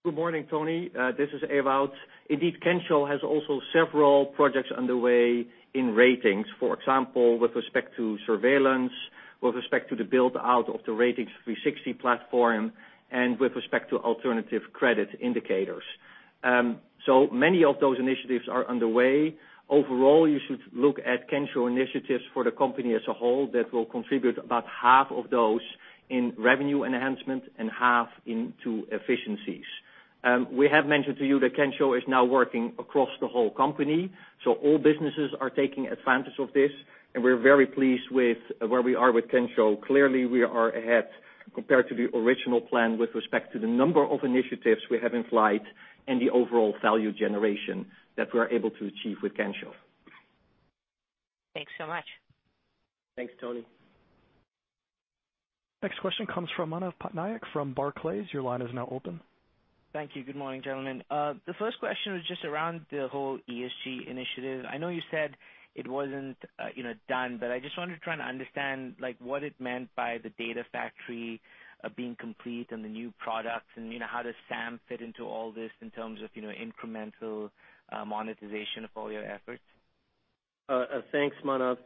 Good morning Toni. This is Ewout. Indeed, Kensho has also several projects underway in ratings. For example, with respect to surveillance, with respect to the build-out of the Ratings360 platform, and with respect to alternative credit indicators. Many of those initiatives are underway. Overall, you should look at Kensho initiatives for the company as a whole that will contribute about half of those in revenue enhancement and half into efficiencies. We have mentioned to you that Kensho is now working across the whole company, so all businesses are taking advantage of this, and we're very pleased with where we are with Kensho. Clearly, we are ahead compared to the original plan with respect to the number of initiatives we have in flight and the overall value generation that we are able to achieve with Kensho. Thanks so much. Thanks Toni. Next question comes from Manav Patnaik from Barclays. Your line is now open. Thank you. Good morning gentlemen. The first question was just around the whole ESG initiative. I know you said it wasn't done, but I just wanted to try to understand what it meant by the data factory being complete and the new products, and how does SAM fit into all this in terms of incremental monetization of all your efforts? Thanks Manav.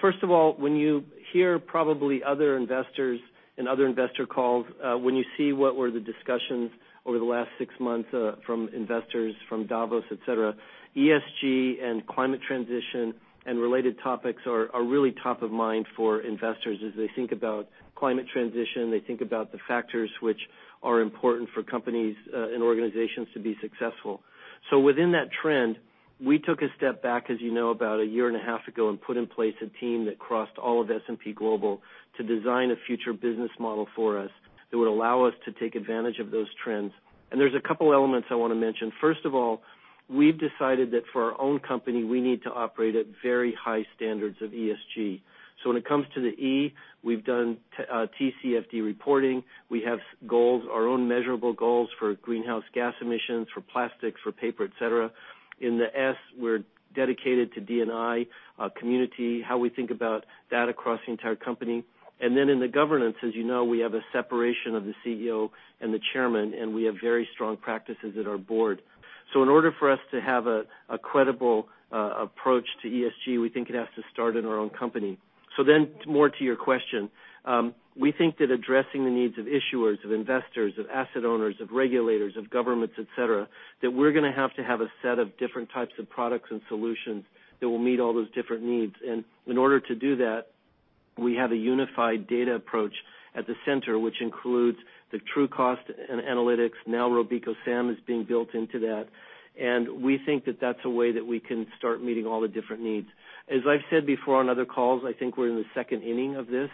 First of all, when you hear probably other investors in other investor calls, when you see what were the discussions over the last six months from investors from Davos, et cetera, ESG and climate transition and related topics are really top of mind for investors as they think about climate transition, they think about the factors which are important for companies and organizations to be successful. Within that trend, we took a step back, as you know, about a year and a half ago and put in place a team that crossed all of S&P Global to design a future business model for us that would allow us to take advantage of those trends. There's a couple elements I want to mention. First of all, we've decided that for our own company, we need to operate at very high standards of ESG. When it comes to the E, we've done TCFD reporting. We have our own measurable goals for greenhouse gas emissions, for plastics, for paper, et cetera. In the S, we're dedicated to D&I, community, how we think about that across the entire company. Then in the governance, as you know, we have a separation of the CEO and the chairman, and we have very strong practices at our board. In order for us to have a credible approach to ESG, we think it has to start in our own company. More to your question. We think that addressing the needs of issuers, of investors, of asset owners, of regulators, of governments, et cetera, that we're going to have to have a set of different types of products and solutions that will meet all those different needs. In order to do that, we have a unified data approach at the center, which includes the Trucost and analytics. RobecoSAM is being built into that, and we think that that's a way that we can start meeting all the different needs. As I've said before on other calls, I think we're in the second inning of this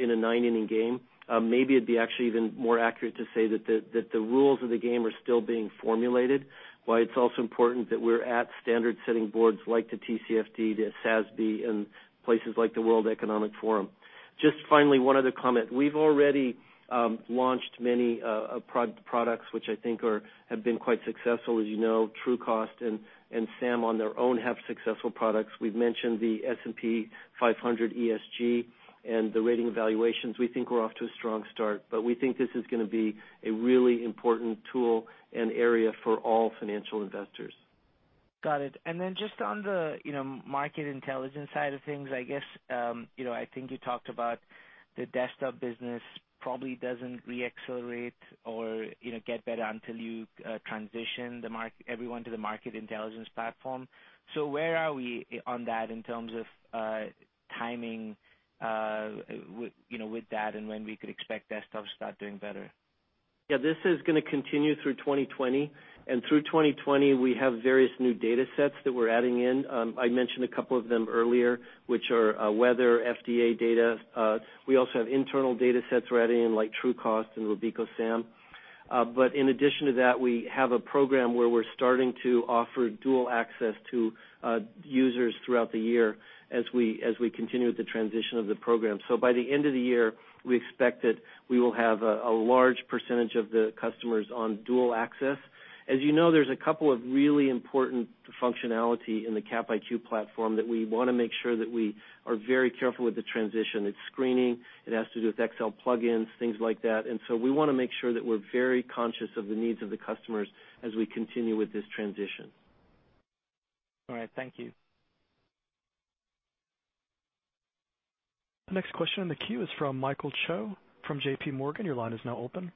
in a 9-inning game. Maybe it'd be actually even more accurate to say that the rules of the game are still being formulated. Why it's also important that we're at standard-setting boards like the TCFD, the SASB, and places like the World Economic Forum. Just finally, one other comment. We've already launched many products, which I think have been quite successful. As you know, Trucost and SAM on their own have successful products. We've mentioned the S&P 500 ESG and the rating evaluations. We think we're off to a strong start, but we think this is going to be a really important tool and area for all financial investors. Got it. Just on the Market Intelligence side of things, I think you talked about the Desktop business probably doesn't re-accelerate or get better until you transition everyone to the Market Intelligence platform. Where are we on that in terms of timing with that and when we could expect Desktop to start doing better? This is going to continue through 2020. Through 2020, we have various new data sets that we're adding in. I mentioned a couple of them earlier, which are weather, FDA data. We also have internal data sets we're adding in, like Trucost and RobecoSAM. In addition to that, we have a program where we're starting to offer dual access to users throughout the year as we continue with the transition of the program. By the end of the year, we expect that we will have a large percentage of the customers on dual access. As you know, there's a couple of really important functionality in the Cap IQ platform that we want to make sure that we are very careful with the transition. It's screening, it has to do with Excel plugins, things like that. We want to make sure that we're very conscious of the needs of the customers as we continue with this transition. All right. Thank you. The next question in the queue is from Michael Cho from JPMorgan. Your line is now open.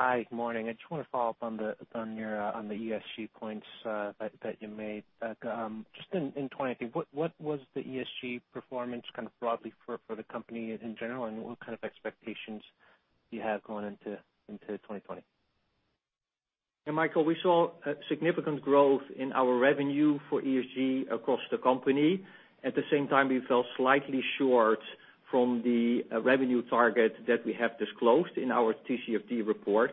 Hi. Good morning. I just want to follow up on the ESG points that you made Doug. Just in 2019, what was the ESG performance kind of broadly for the company in general, and what kind of expectations do you have going into 2020? Yeah, Michael, we saw a significant growth in our revenue for ESG across the company. At the same time, we fell slightly short from the revenue target that we have disclosed in our TCFD report.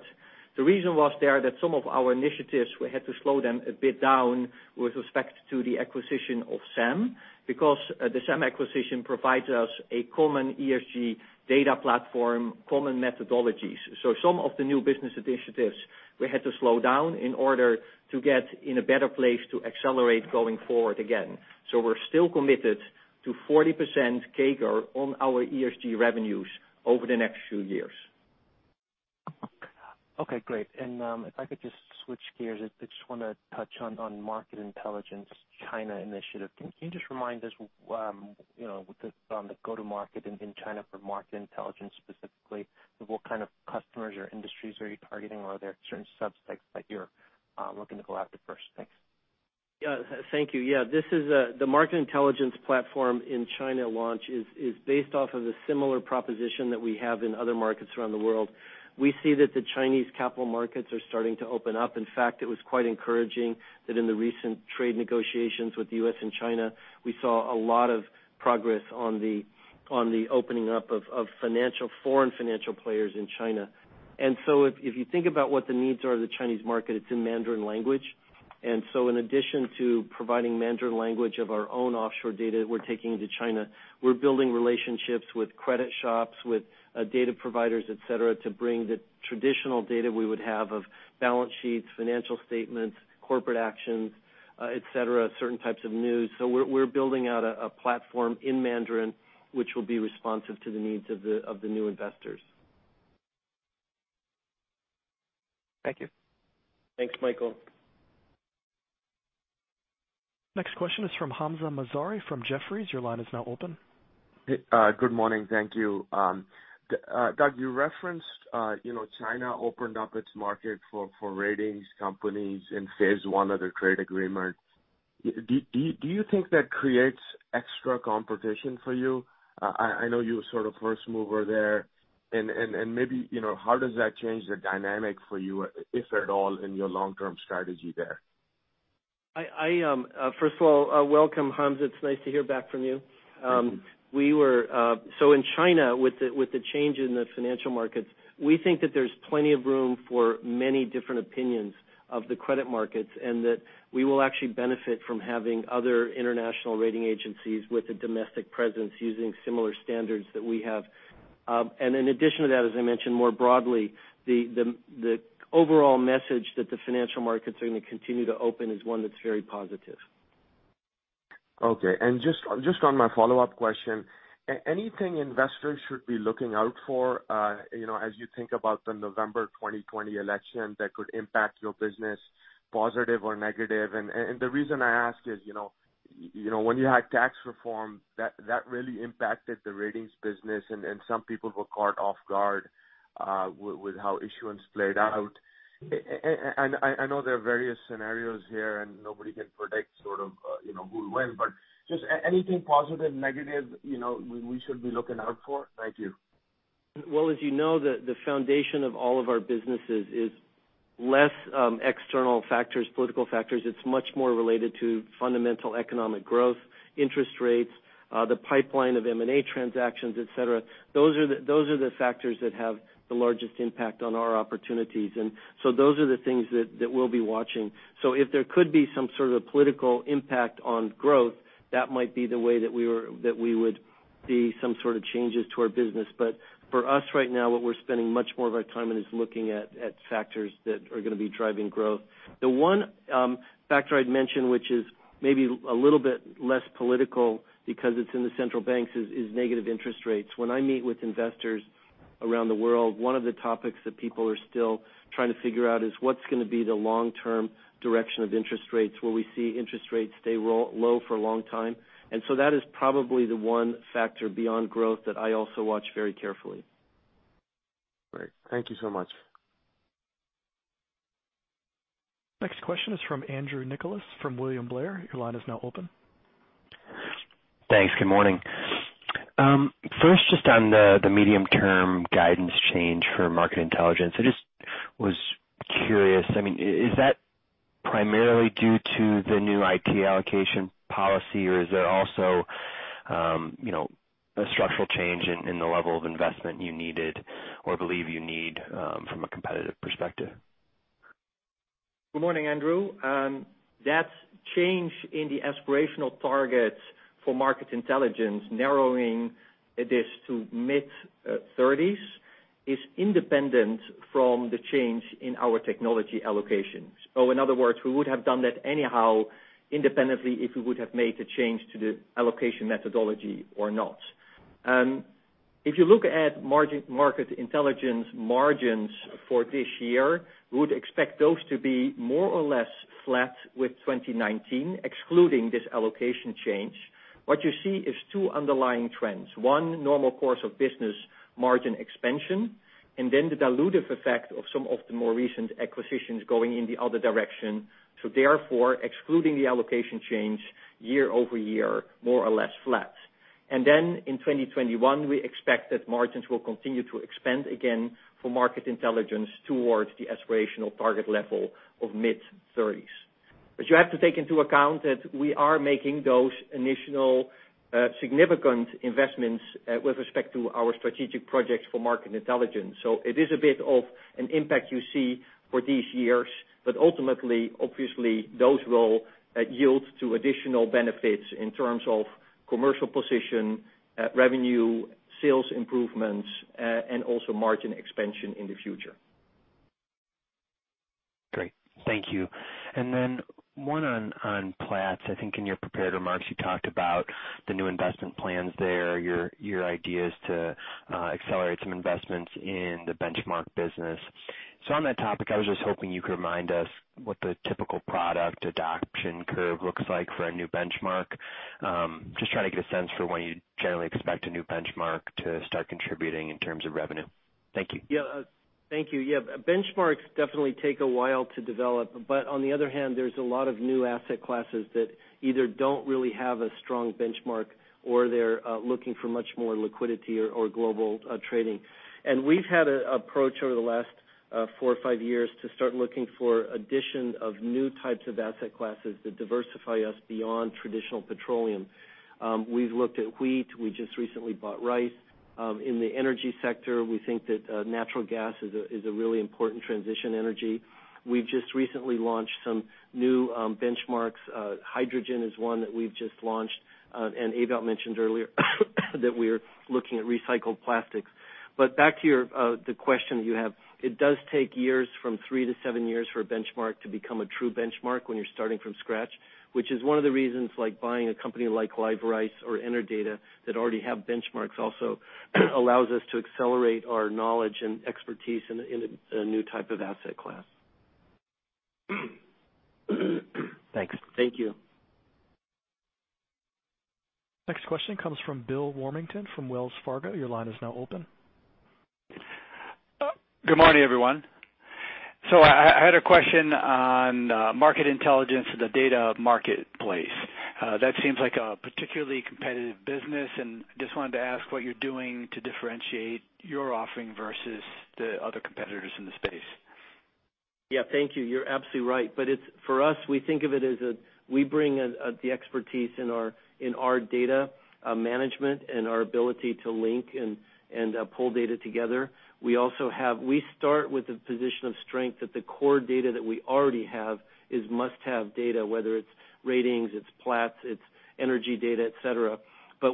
The reason was there that some of our initiatives, we had to slow them a bit down with respect to the acquisition of SAM, because the SAM acquisition provides us a common ESG data platform, common methodologies. Some of the new business initiatives we had to slow down in order to get in a better place to accelerate going forward again. We're still committed to 40% CAGR on our ESG revenues over the next few years. Okay great. If I could just switch gears, I just want to touch on Market Intelligence China initiative. Can you just remind us on the go-to-market in China for Market Intelligence specifically, what kind of customers or industries are you targeting? Are there certain subsets that you're looking to go after first? Thanks. Thank you. The Market Intelligence platform in China launch is based off of a similar proposition that we have in other markets around the world. We see that the Chinese capital markets are starting to open up. In fact, it was quite encouraging that in the recent trade negotiations with the U.S. and China, we saw a lot of progress on the opening up of foreign financial players in China. If you think about what the needs are of the Chinese market, it's in Mandarin language. In addition to providing Mandarin language of our own offshore data that we're taking into China, we're building relationships with credit shops, with data providers, et cetera, to bring the traditional data we would have of balance sheets, financial statements, corporate actions, et cetera, certain types of news. We're building out a platform in Mandarin which will be responsive to the needs of the new investors. Thank you. Thanks Michael. Next question is from Hamza Mazari from Jefferies. Your line is now open. Good morning. Thank you. Doug, you referenced China opened up its market for ratings companies in phase one of the trade agreement. Do you think that creates extra competition for you? I know you were sort of first mover there, and maybe how does that change the dynamic for you, if at all, in your long-term strategy there? First of all, welcome Hamza. It is nice to hear back from you. Thank you. In China, with the change in the financial markets, we think that there's plenty of room for many different opinions of the credit markets, and that we will actually benefit from having other international rating agencies with a domestic presence using similar standards that we have. In addition to that, as I mentioned more broadly, the overall message that the financial markets are going to continue to open is one that's very positive. Okay. Just on my follow-up question, anything investors should be looking out for as you think about the November 2020 election that could impact your business, positive or negative? The reason I ask is, when you had tax reform, that really impacted the ratings business, and some people were caught off guard with how issuance played out. I know there are various scenarios here and nobody can predict who wins, but just anything positive, negative we should be looking out for? Thank you. Well, as you know, the foundation of all of our businesses is less external factors, political factors. It's much more related to fundamental economic growth, interest rates, the pipeline of M&A transactions, et cetera. Those are the factors that have the largest impact on our opportunities. Those are the things that we'll be watching. If there could be some sort of political impact on growth, that might be the way that we would see some sort of changes to our business. For us right now, what we're spending much more of our time in is looking at factors that are going to be driving growth. The one factor I'd mention, which is maybe a little bit less political because it's in the central banks, is negative interest rates. When I meet with investors around the world, one of the topics that people are still trying to figure out is what's going to be the long-term direction of interest rates. Will we see interest rates stay low for a long time? That is probably the one factor beyond growth that I also watch very carefully. Great. Thank you so much. Next question is from Andrew Nicholas from William Blair. Your line is now open. Thanks. Good morning. First, just on the medium-term guidance change for Market Intelligence, I just was curious, I mean, is that primarily due to the new IT allocation policy, or is there also a structural change in the level of investment you needed or believe you need from a competitive perspective? Good morning Andrew. That change in the aspirational targets for market intelligence, narrowing this to mid-30s, is independent from the change in our technology allocations. In other words, we would have done that anyhow, independently if we would have made the change to the allocation methodology or not. If you look at market intelligence margins for this year, we would expect those to be more or less flat with 2019, excluding this allocation change. What you see is two underlying trends. One, normal course of business margin expansion, and then the dilutive effect of some of the more recent acquisitions going in the other direction. Therefore, excluding the allocation change year-over-year, more or less flat. In 2021, we expect that margins will continue to expand again for market intelligence towards the aspirational target level of mid-30s. You have to take into account that we are making those initial significant investments with respect to our strategic projects for Market Intelligence. It is a bit of an impact you see for these years, but ultimately, obviously, those will yield to additional benefits in terms of commercial position, revenue, sales improvements, and also margin expansion in the future. Great. Thank you. Then one on Platts. I think in your prepared remarks, you talked about the new investment plans there, your ideas to accelerate some investments in the benchmark business. On that topic, I was just hoping you could remind us what the typical product adoption curve looks like for a new benchmark. Just trying to get a sense for when you'd generally expect a new benchmark to start contributing in terms of revenue. Thank you. Yeah. Thank you. Benchmarks definitely take a while to develop. On the other hand, there's a lot of new asset classes that either don't really have a strong benchmark or they're looking for much more liquidity or global trading. We've had an approach over the last four or five years to start looking for addition of new types of asset classes that diversify us beyond traditional petroleum. We've looked at wheat. We just recently bought rice. In the energy sector, we think that natural gas is a really important transition energy. We've just recently launched some new benchmarks. Hydrogen is one that we've just launched, and Ewout mentioned earlier, that we're looking at recycled plastics. Back to the question that you have. It does take years, from three to seven years, for a benchmark to become a true benchmark when you're starting from scratch, which is one of the reasons buying a company like Live Rice or Enerdata that already have benchmarks also allows us to accelerate our knowledge and expertise in a new type of asset class. Thanks. Thank you. Next question comes from Bill Warmington from Wells Fargo. Your line is now open. Good morning everyone. I had a question on Market Intelligence and the data marketplace. That seems like a particularly competitive business, and just wanted to ask what you're doing to differentiate your offering versus the other competitors in the space. Yeah, thank you. You're absolutely right. For us, we think of it as we bring the expertise in our data management and our ability to link and pull data together. We start with the position of strength that the core data that we already have is must-have data, whether it's Ratings, it's Platts, it's energy data, et cetera.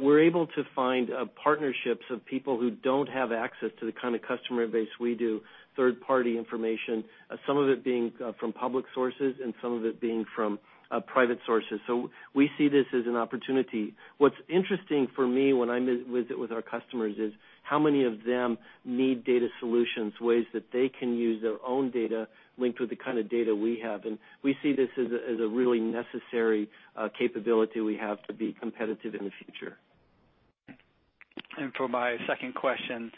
We're able to find partnerships of people who don't have access to the kind of customer base we do, third-party information, some of it being from public sources and some of it being from private sources. We see this as an opportunity. What's interesting for me when I visit with our customers is how many of them need data solutions, ways that they can use their own data linked with the kind of data we have. We see this as a really necessary capability we have to be competitive in the future. For my second question,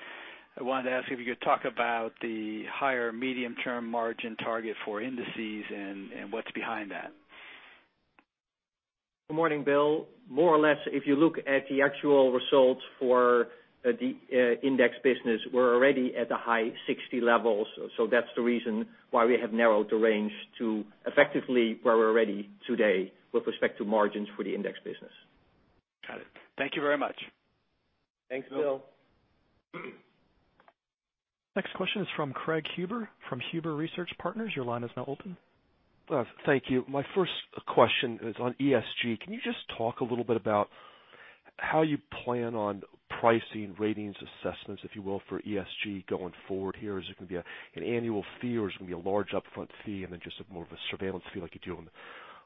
I wanted to ask if you could talk about the higher medium-term margin target for indices and what's behind that? Good morning Bill. More or less, if you look at the actual results for the index business, we're already at the high 60 levels. That's the reason why we have narrowed the range to effectively where we're already today with respect to margins for the index business. Got it. Thank you very much. Thanks Bill. Thanks Bill. Next question is from Craig Huber from Huber Research Partners. Your line is now open. Thank you. My first question is on ESG. Can you just talk a little bit about how you plan on pricing ratings assessments, if you will, for ESG going forward here? Is it going to be an annual fee or is it going to be a large upfront fee and then just more of a surveillance fee like you do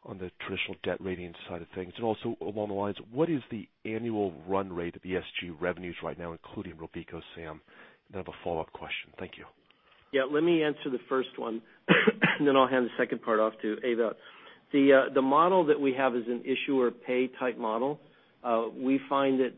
on the traditional debt ratings side of things? Also, along the lines, what is the annual run rate of ESG revenues right now, including RobecoSAM? Then I have a follow-up question. Thank you. Yeah. Let me answer the first one, and then I'll hand the second part off to Ewout. The model that we have is an issuer pay type model. We find that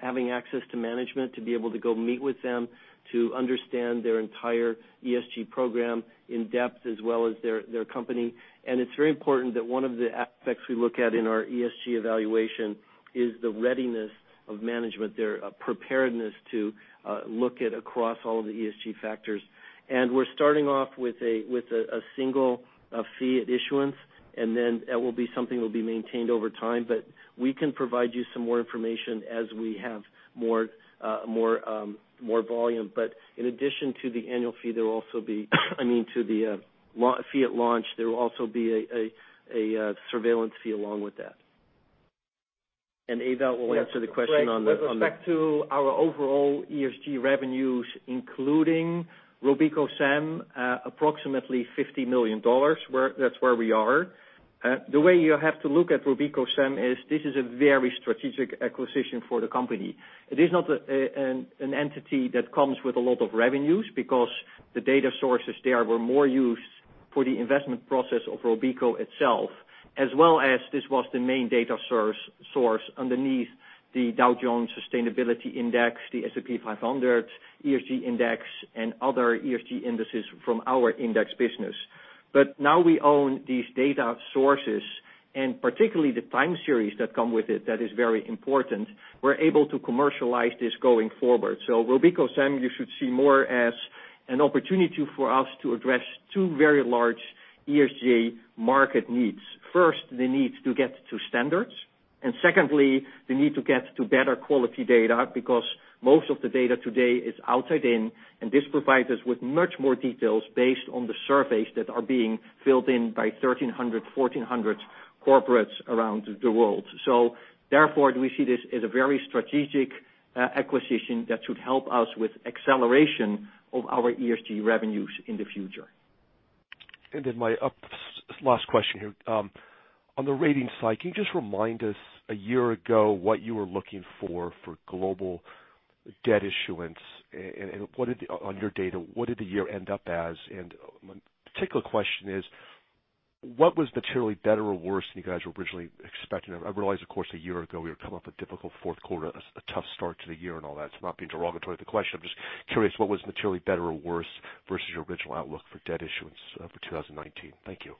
having access to management, to be able to go meet with them, to understand their entire ESG program in depth as well as their company. It's very important that one of the aspects we look at in our ESG evaluation is the readiness of management, their preparedness to look at across all of the ESG factors. We're starting off with a single fee at issuance, and then that will be something that will be maintained over time, but we can provide you some more information as we have more volume. In addition to the annual fee, I mean, to the fee at launch, there will also be a surveillance fee along with that. Ewout will answer the question on the- With respect to our overall ESG revenues, including RobecoSAM, approximately $50 million, that's where we are. The way you have to look at RobecoSAM is this is a very strategic acquisition for the company. It is not an entity that comes with a lot of revenues because the data sources there were more used for the investment process of Robeco itself, as well as this was the main data source underneath the Dow Jones Sustainability Index, the S&P 500 ESG Index, and other ESG indices from our index business. Now we own these data sources, and particularly the time series that come with it, that is very important. We're able to commercialize this going forward. RobecoSAM, you should see more as an opportunity for us to address two very large ESG market needs. First, the need to get to standards and secondly, the need to get to better quality data, because most of the data today is outside in, this provides us with much more details based on the surveys that are being filled in by 1,300, 1,400 corporates around the world. Therefore, do we see this as a very strategic acquisition that should help us with acceleration of our ESG revenues in the future. Then my last question here. On the Ratings side, can you just remind us, a year ago, what you were looking for for global debt issuance, and on your data, what did the year end up as? My particular question is, what was materially better or worse than you guys were originally expecting? I realize, of course, a year ago, we were coming off a difficult fourth quarter, a tough start to the year and all that. It's not being derogatory to the question. I'm just curious, what was materially better or worse versus your original outlook for debt issuance for 2019? Thank you.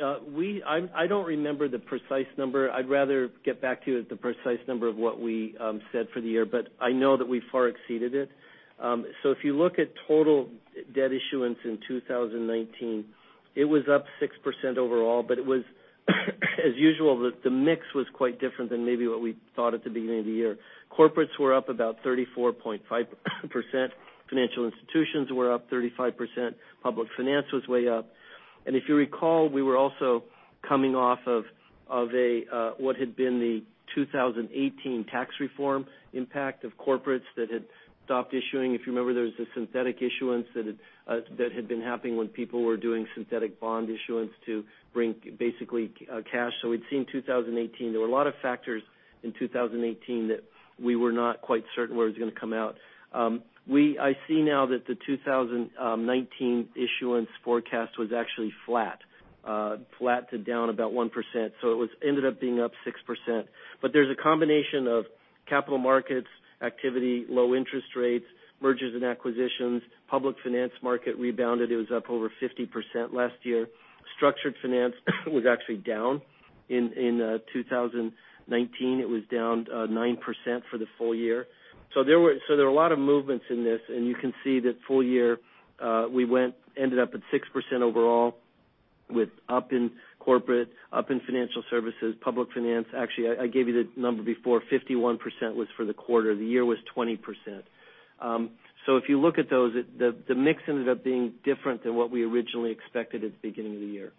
I don't remember the precise number. I'd rather get back to you with the precise number of what we said for the year, but I know that we far exceeded it. If you look at total debt issuance in 2019, it was up 6% overall, but it was, as usual, the mix was quite different than maybe what we thought at the beginning of the year. Corporates were up about 34.5%. Financial institutions were up 35%. Public finance was way up. If you recall, we were also coming off of what had been the 2018 tax reform impact of corporates that had stopped issuing. If you remember, there was a synthetic issuance that had been happening when people were doing synthetic bond issuance to bring basically cash. We'd seen 2018. There were a lot of factors in 2018 that we were not quite certain where it was going to come out. I see now that the 2019 issuance forecast was actually flat to down about 1%. It ended up being up 6%. There's a combination of capital markets activity, low interest rates, mergers and acquisitions, public finance market rebounded. It was up over 50% last year. Structured finance was actually down in 2019. It was down 9% for the full year. There were a lot of movements in this, and you can see that full year, we ended up at 6% overall with up in corporate, up in financial services, public finance. Actually, I gave you the number before, 51% was for the quarter. The year was 20%. If you look at those, the mix ended up being different than what we originally expected at the beginning of the year.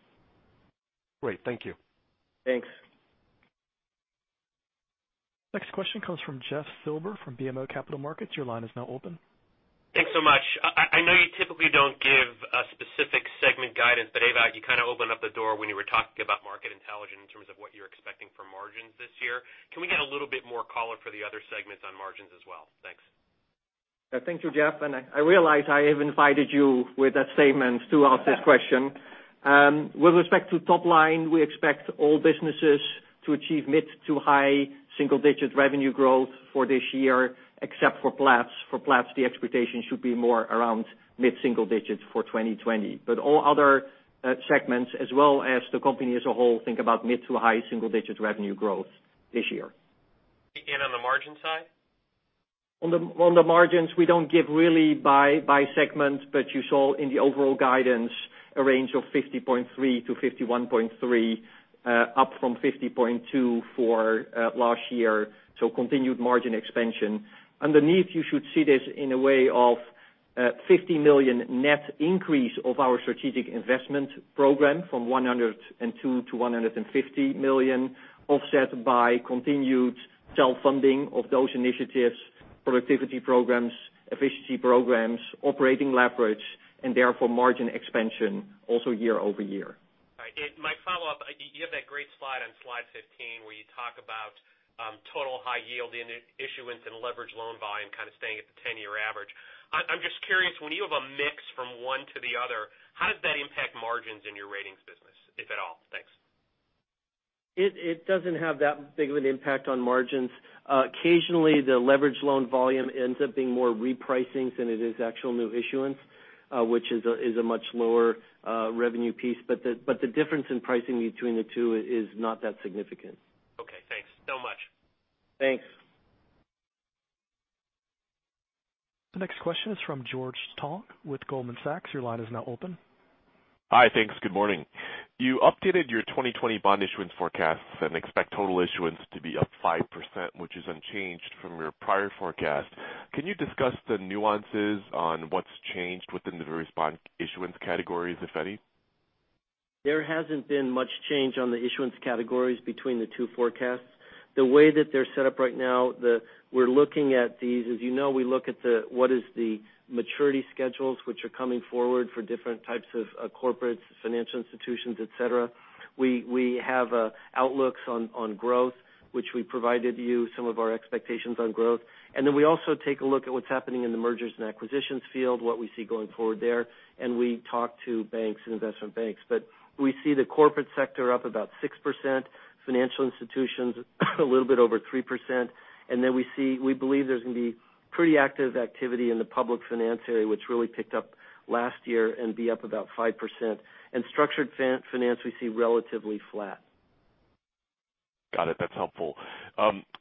Great. Thank you. Thanks. Next question comes from Jeff Silber from BMO Capital Markets. Your line is now open. Thanks so much. I know you typically don't give a specific segment guidance, but Ewout, you kind of opened up the door when you were talking about Market Intelligence in terms of what you're expecting from margins this year. Can we get a little bit more color for the other segments on margins as well? Thanks. Thank you Jeff. I realize I have invited you with that statement to ask this question. With respect to top line, we expect all businesses to achieve mid to high single-digit revenue growth for this year, except for Platts. For Platts, the expectation should be more around mid-single digits for 2020. All other segments, as well as the company as a whole, think about mid to high single-digit revenue growth this year. On the margin side? On the margins, we don't give really by segment, but you saw in the overall guidance a range of 50.3%-51.3%, up from 50.2% for last year. Continued margin expansion. Underneath, you should see this in a way of $50 million net increase of our Strategic Investment Program from $102 million-$150 million, offset by continued self-funding of those initiatives, productivity programs, efficiency programs, operating leverage, and therefore margin expansion also year-over-year. Right. My follow-up, you have that great slide on slide 15 where you talk about total high yield in issuance and leverage loan volume kind of staying at the 10-year average. I'm just curious, when you have a mix from one to the other, how does that impact margins in your Ratings business, if at all? Thanks. It doesn't have that big of an impact on margins. Occasionally, the leverage loan volume ends up being more repricing than it is actual new issuance, which is a much lower revenue piece. The difference in pricing between the two is not that significant. Okay thanks so much. Thanks. The next question is from George Tong with Goldman Sachs. Your line is now open. Hi. Thanks. Good morning. You updated your 2020 bond issuance forecasts and expect total issuance to be up 5%, which is unchanged from your prior forecast. Can you discuss the nuances on what's changed within the various bond issuance categories, if any? There hasn't been much change on the issuance categories between the two forecasts. The way that they're set up right now, we're looking at these, as you know, we look at what is the maturity schedules, which are coming forward for different types of corporates, financial institutions, et cetera. We have outlooks on growth, which we provided you some of our expectations on growth. Then we also take a look at what's happening in the mergers and acquisitions field, what we see going forward there, and we talk to banks and investment banks. We see the corporate sector up about 6%, financial institutions a little bit over 3%. Then we believe there's going to be pretty active activity in the public finance area, which really picked up last year and be up about 5%. Structured finance, we see relatively flat. Got it. That's helpful.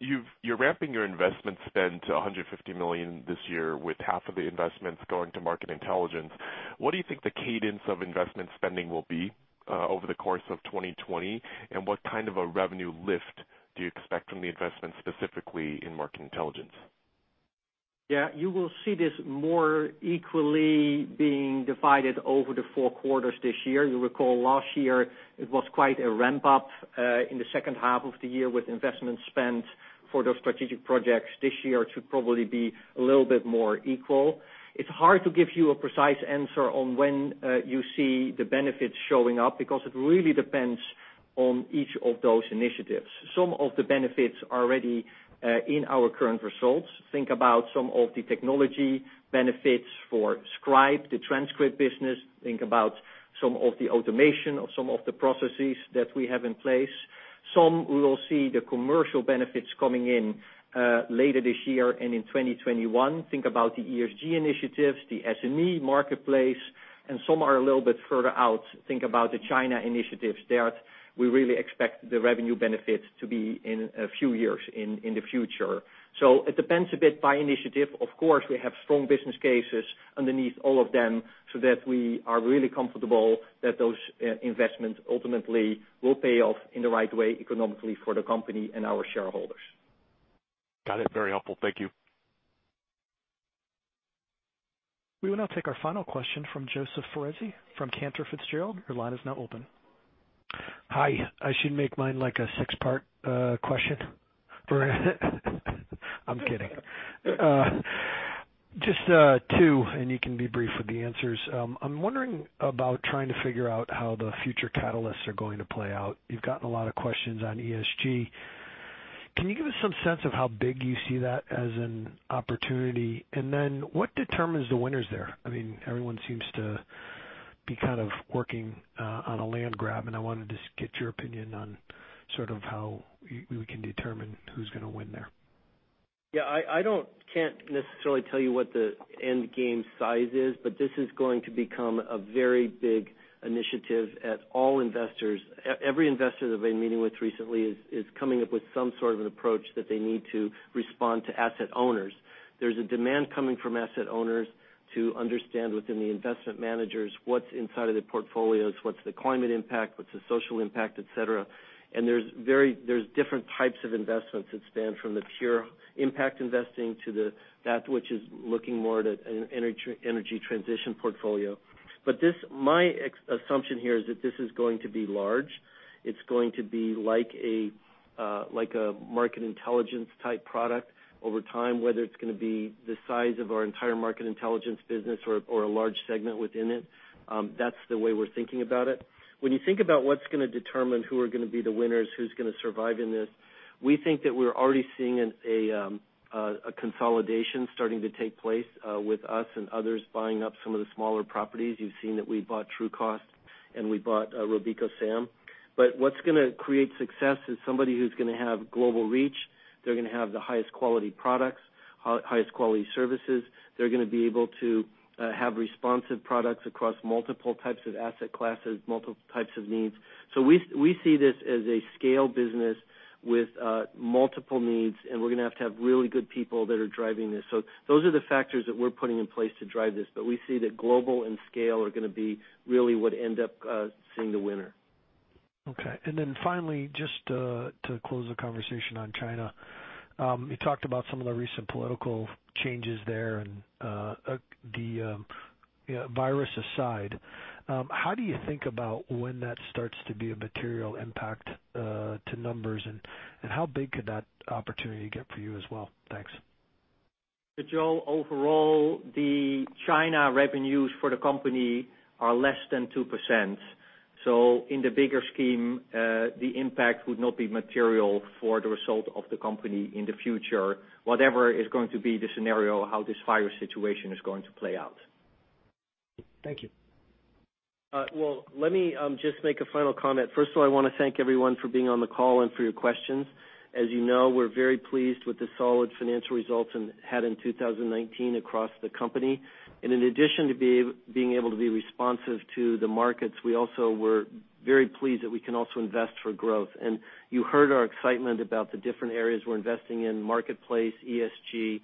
You're ramping your investment spend to $150 million this year, with half of the investments going to Market Intelligence. What do you think the cadence of investment spending will be, over the course of 2020? What kind of a revenue lift do you expect from the investment, specifically in Market Intelligence? Yeah, you will see this more equally being divided over the four quarters this year. You'll recall last year it was quite a ramp-up, in the second half of the year with investment spend for those strategic projects. This year, it should probably be a little bit more equal. It's hard to give you a precise answer on when you see the benefits showing up, because it really depends on each of those initiatives. Some of the benefits are already in our current results. Think about some of the technology benefits for Scribe, the transcript business. Think about some of the automation of some of the processes that we have in place. Some we will see the commercial benefits coming in later this year and in 2021. Think about the ESG initiatives, the SME marketplace, and some are a little bit further out. Think about the China initiatives. There, we really expect the revenue benefits to be in a few years in the future. It depends a bit by initiative. Of course, we have strong business cases underneath all of them so that we are really comfortable that those investments ultimately will pay off in the right way economically for the company and our shareholders. Got it. Very helpful. Thank you. We will now take our final question from Joseph Foresi from Cantor Fitzgerald. Your line is now open. Hi. I should make mine like a six-part question. I'm kidding. Just two, and you can be brief with the answers. I'm wondering about trying to figure out how the future catalysts are going to play out. You've gotten a lot of questions on ESG. Can you give us some sense of how big you see that as an opportunity? What determines the winners there? Everyone seems to be kind of working on a land grab, and I wanted to get your opinion on sort of how we can determine who's going to win there. Yeah, I can't necessarily tell you what the end game size is. This is going to become a very big initiative at all investors. Every investor that I've been meeting with recently is coming up with some sort of an approach that they need to respond to asset owners. There's a demand coming from asset owners to understand within the investment managers what's inside of the portfolios, what's the climate impact, what's the social impact, et cetera. There's different types of investments that span from the pure impact investing to that which is looking more at an energy transition portfolio. My assumption here is that this is going to be large. It's going to be like a Market Intelligence-type product over time, whether it's going to be the size of our entire Market Intelligence business or a large segment within it. That's the way we're thinking about it. When you think about what's going to determine who are going to be the winners, who's going to survive in this, we think that we're already seeing a consolidation starting to take place with us and others buying up some of the smaller properties. You've seen that we bought Trucost and we bought RobecoSAM. What's going to create success is somebody who's going to have global reach. They're going to have the highest quality products, highest quality services. They're going to be able to have responsive products across multiple types of asset classes, multiple types of needs. We see this as a scale business with multiple needs, and we're going to have to have really good people that are driving this. Those are the factors that we're putting in place to drive this. We see that global and scale are going to be really what end up seeing the winner. Okay. Then finally, just to close the conversation on China. You talked about some of the recent political changes there and the virus aside. How do you think about when that starts to be a material impact to numbers? How big could that opportunity get for you as well? Thanks. Joe, overall, the China revenues for the company are less than 2%. In the bigger scheme, the impact would not be material for the result of the company in the future, whatever is going to be the scenario, how this virus situation is going to play out. Thank you. Well, let me just make a final comment. First of all, I want to thank everyone for being on the call and for your questions. As you know, we're very pleased with the solid financial results had in 2019 across the company. In addition to being able to be responsive to the markets, we also were very pleased that we can also invest for growth. You heard our excitement about the different areas we're investing in, marketplace, ESG,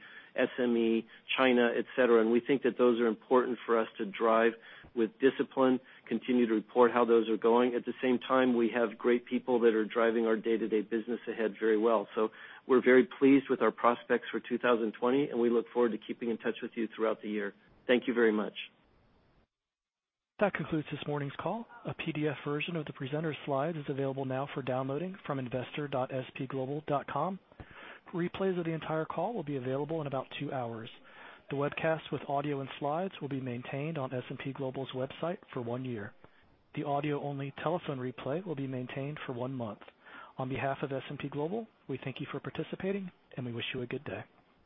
SME, China, et cetera. We think that those are important for us to drive with discipline, continue to report how those are going. At the same time, we have great people that are driving our day-to-day business ahead very well. We're very pleased with our prospects for 2020, and we look forward to keeping in touch with you throughout the year. Thank you very much. That concludes this morning's call. A PDF version of the presenter's slide is available now for downloading from investor.spglobal.com. Replays of the entire call will be available in about two hours. The webcast with audio and slides will be maintained on S&P Global's website for one year. The audio-only telephone replay will be maintained for one month. On behalf of S&P Global, we thank you for participating, and we wish you a good day.